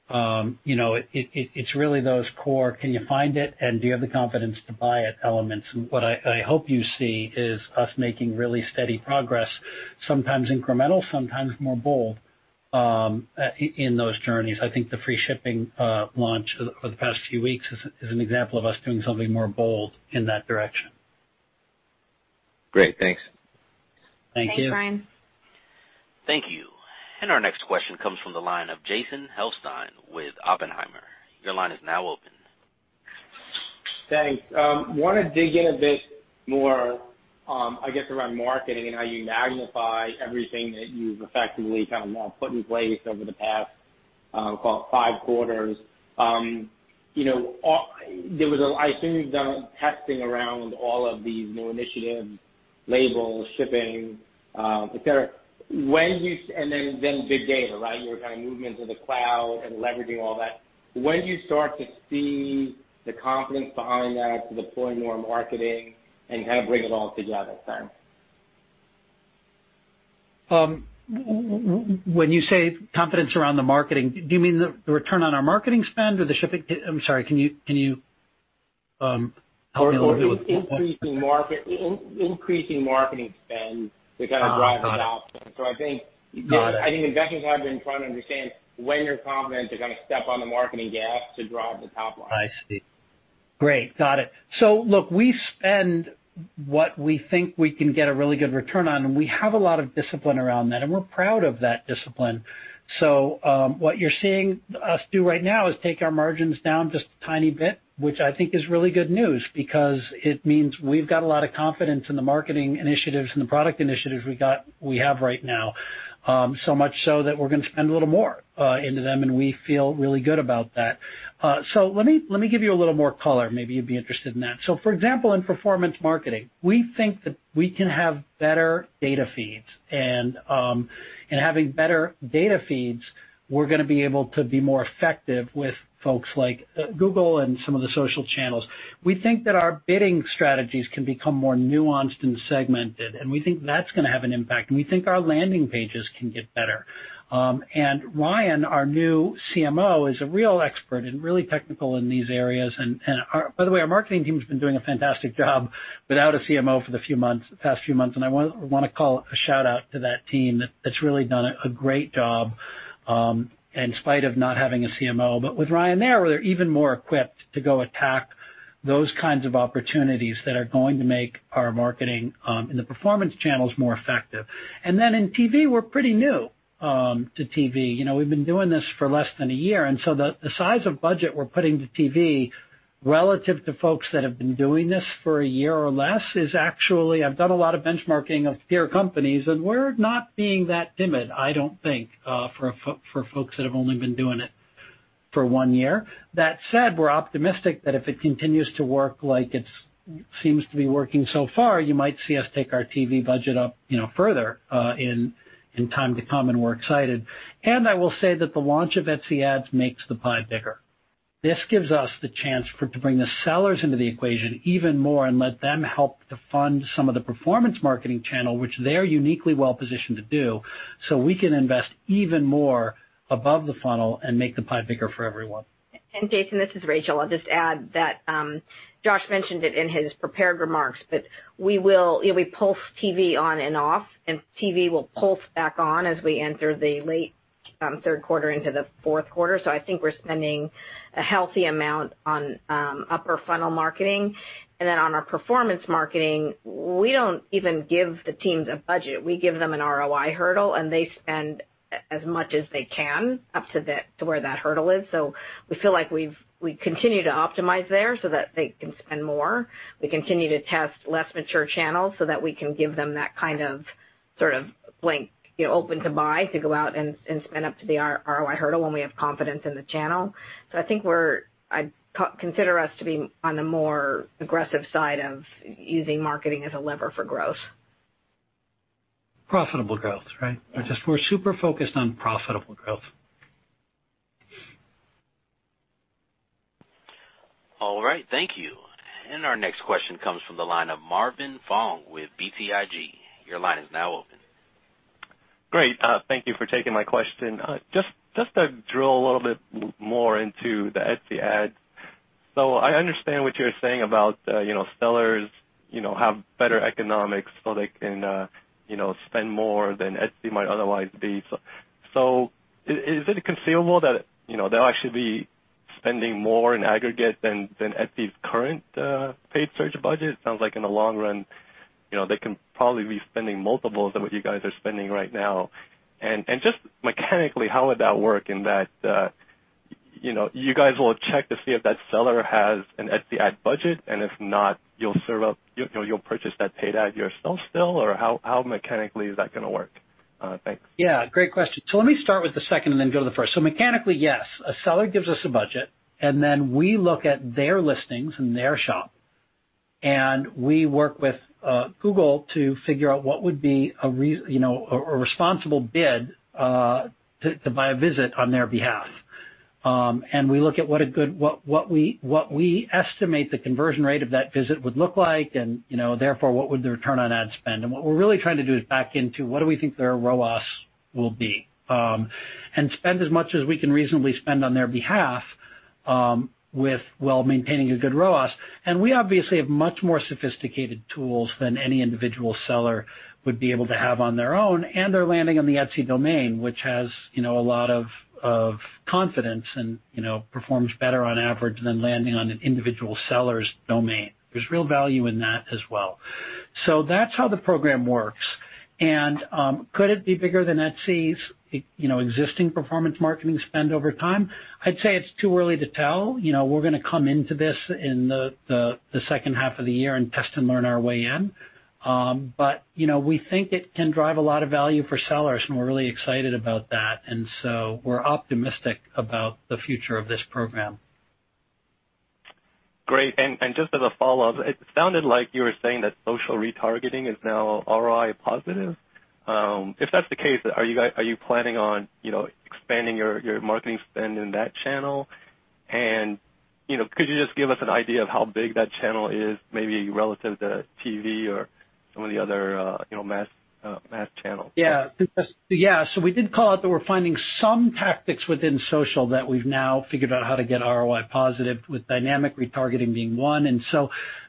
It's really those core, can you find it, and do you have the confidence to buy it elements. What I hope you see is us making really steady progress, sometimes incremental, sometimes more bold, in those journeys. I think the free shipping launch over the past few weeks is an example of us doing something more bold in that direction. Great. Thanks. Thank you. Thanks, Brian. Thank you. Our next question comes from the line of Jason Helfstein with Oppenheimer. Your line is now open. Thanks. I want to dig in a bit more, I guess, around marketing and how you magnify everything that you've effectively kind of now put in place over the past, call it, 5 quarters. I assume you've done testing around all of these new initiatives, labels, shipping, et cetera. Then big data, right? You were kind of moving into the cloud and leveraging all that. When do you start to see the confidence behind that to deploy more marketing and kind of bring it all together, then? When you say confidence around the marketing, do you mean the return on our marketing spend or the shipping? I'm sorry, can you help me a little bit with- Increasing marketing spend to kind of drive adoption. Got it. I think investors have been trying to understand when you're confident to kind of step on the marketing gas to drive the top line. I see. Great. Got it. Look, we spend what we think we can get a really good return on, and we have a lot of discipline around that, and we're proud of that discipline. What you're seeing us do right now is take our margins down just a tiny bit, which I think is really good news because it means we've got a lot of confidence in the marketing initiatives and the product initiatives we have right now. Much so that we're going to spend a little more into them, and we feel really good about that. Let me give you a little more color. Maybe you'd be interested in that. For example, in performance marketing, we think that we can have better data feeds, and having better data feeds, we're going to be able to be more effective with folks like Google and some of the social channels. We think that our bidding strategies can become more nuanced and segmented, and we think that's going to have an impact. We think our landing pages can get better. Ryan, our new CMO, is a real expert and really technical in these areas. By the way, our marketing team's been doing a fantastic job without a CMO for the past few months, and I want to call a shout-out to that team that's really done a great job in spite of not having a CMO. With Ryan there, we're even more equipped to go attack those kinds of opportunities that are going to make our marketing in the performance channels more effective. In TV, we're pretty new to TV. We've been doing this for less than one year, and so the size of budget we're putting to TV relative to folks that have been doing this for one year or less is actually, I've done a lot of benchmarking of peer companies, and we're not being that timid, I don't think, for folks that have only been doing it for one year. That said, we're optimistic that if it continues to work like it seems to be working so far, you might see us take our TV budget up further in time to come, and we're excited. I will say that the launch of Etsy Ads makes the pie bigger. This gives us the chance to bring the sellers into the equation even more and let them help to fund some of the performance marketing channel, which they're uniquely well-positioned to do, so we can invest even more above the funnel and make the pie bigger for everyone. Jason, this is Rachel. I'll just add that Josh mentioned it in his prepared remarks, but we pulse TV on and off, and TV will pulse back on as we enter the late third quarter into the fourth quarter. I think we're spending a healthy amount on upper funnel marketing. Then on our performance marketing, we don't even give the teams a budget. We give them an ROI hurdle, and they spend as much as they can up to where that hurdle is. We feel like we continue to optimize there so that they can spend more. We continue to test less mature channels so that we can give them that kind of sort of blank, open to buy, to go out and spend up to the ROI hurdle when we have confidence in the channel. I think I'd consider us to be on the more aggressive side of using marketing as a lever for growth. Profitable growth, right? Yeah. We're super focused on profitable growth. All right. Thank you. Our next question comes from the line of Marvin Fong with BTIG. Your line is now open. Great. Thank you for taking my question. Just to drill a little bit more into the Etsy Ads. I understand what you're saying about sellers have better economics so they can spend more than Etsy might otherwise be. Is it conceivable that they'll actually be spending more in aggregate than Etsy's current paid search budget? It sounds like in the long run, they can probably be spending multiples of what you guys are spending right now. Just mechanically, how would that work in that you guys will check to see if that seller has an Etsy Ad budget, and if not, you'll purchase that paid ad yourself still? How mechanically is that going to work? Thanks. Yeah, great question. Let me start with the second and then go to the first. Mechanically, yes. A seller gives us a budget, and then we look at their listings and their shop, and we work with Google to figure out what would be a responsible bid to buy a visit on their behalf. We look at what we estimate the conversion rate of that visit would look like, and therefore, what would the return on ad spend. What we're really trying to do is back into what do we think their ROAS will be, and spend as much as we can reasonably spend on their behalf, while maintaining a good ROAS. We obviously have much more sophisticated tools than any individual seller would be able to have on their own, and they're landing on the Etsy domain, which has a lot of confidence and performs better on average than landing on an individual seller's domain. There's real value in that as well. That's how the program works. Could it be bigger than Etsy's existing performance marketing spend over time? I'd say it's too early to tell. We're going to come into this in the second half of the year and test and learn our way in. But we think it can drive a lot of value for sellers, and we're really excited about that. We're optimistic about the future of this program. Great. Just as a follow-up, it sounded like you were saying that social retargeting is now ROI positive. If that's the case, are you planning on expanding your marketing spend in that channel? Could you just give us an idea of how big that channel is, maybe relative to TV or some of the other mass channels? Yeah. We did call out that we're finding some tactics within social that we've now figured out how to get ROI positive, with dynamic retargeting being one.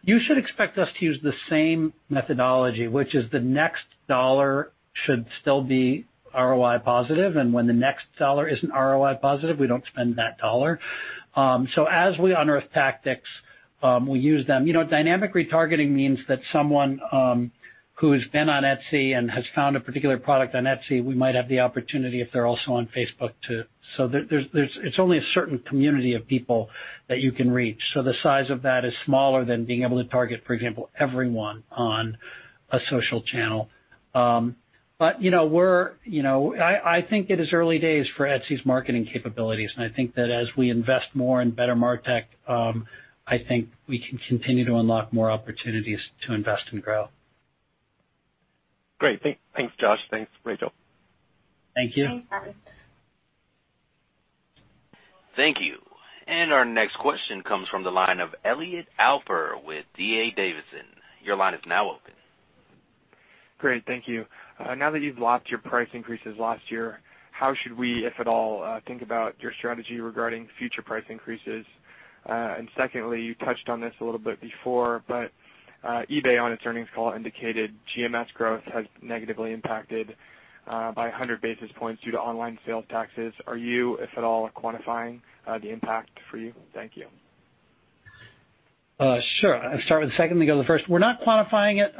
You should expect us to use the same methodology, which is the next dollar should still be ROI positive. When the next dollar isn't ROI positive, we don't spend that dollar. As we unearth tactics, we use them. Dynamic retargeting means that someone who's been on Etsy and has found a particular product on Etsy, we might have the opportunity if they're also on Facebook too. It's only a certain community of people that you can reach. The size of that is smaller than being able to target, for example, everyone on a social channel. I think it is early days for Etsy's marketing capabilities, and I think that as we invest more in better martech, I think we can continue to unlock more opportunities to invest and grow. Great. Thanks, Josh. Thanks, Rachel. Thank you. Thanks, Harris. Thank you. Our next question comes from the line of Elliot Alper with D.A. Davidson. Your line is now open. Great. Thank you. Now that you've locked your price increases last year, how should we, if at all, think about your strategy regarding future price increases? Secondly, you touched on this a little bit before, but eBay on its earnings call indicated GMS growth has negatively impacted by 100 basis points due to online sales taxes. Are you, if at all, quantifying the impact for you? Thank you. Sure. I'll start with the second then go to the first. We're not quantifying it,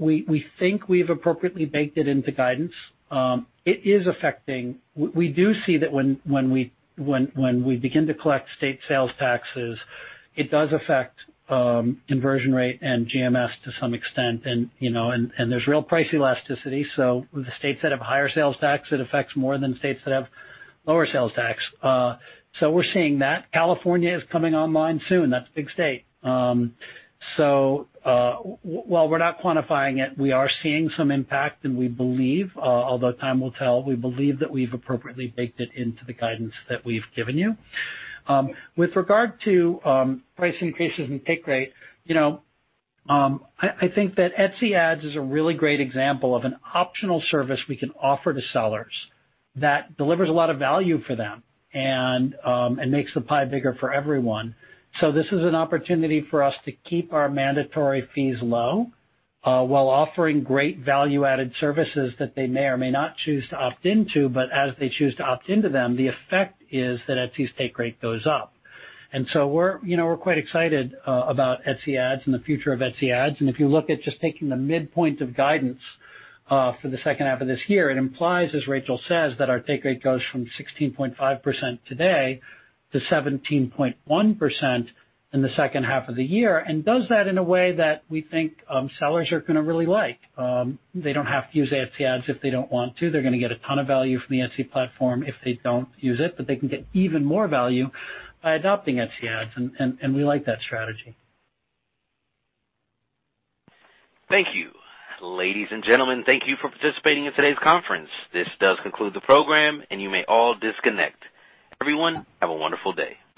we think we've appropriately baked it into guidance. We do see that when we begin to collect state sales taxes, it does affect conversion rate and GMS to some extent. There's real price elasticity. The states that have higher sales tax, it affects more than states that have lower sales tax. We're seeing that. California is coming online soon. That's a big state. While we're not quantifying it, we are seeing some impact, and we believe, although time will tell, we believe that we've appropriately baked it into the guidance that we've given you. With regard to price increases and take rate, I think that Etsy Ads is a really great example of an optional service we can offer to sellers that delivers a lot of value for them and makes the pie bigger for everyone. This is an opportunity for us to keep our mandatory fees low, while offering great value-added services that they may or may not choose to opt into, but as they choose to opt into them, the effect is that Etsy's take rate goes up. We're quite excited about Etsy Ads and the future of Etsy Ads. If you look at just taking the midpoint of guidance for the second half of this year, it implies, as Rachel says, that our take rate goes from 16.5% today to 17.1% in the second half of the year, and does that in a way that we think sellers are going to really like. They don't have to use Etsy Ads if they don't want to. They're going to get a ton of value from the Etsy platform if they don't use it, but they can get even more value by adopting Etsy Ads, and we like that strategy. Thank you. Ladies and gentlemen, thank you for participating in today's conference. This does conclude the program, and you may all disconnect. Everyone, have a wonderful day.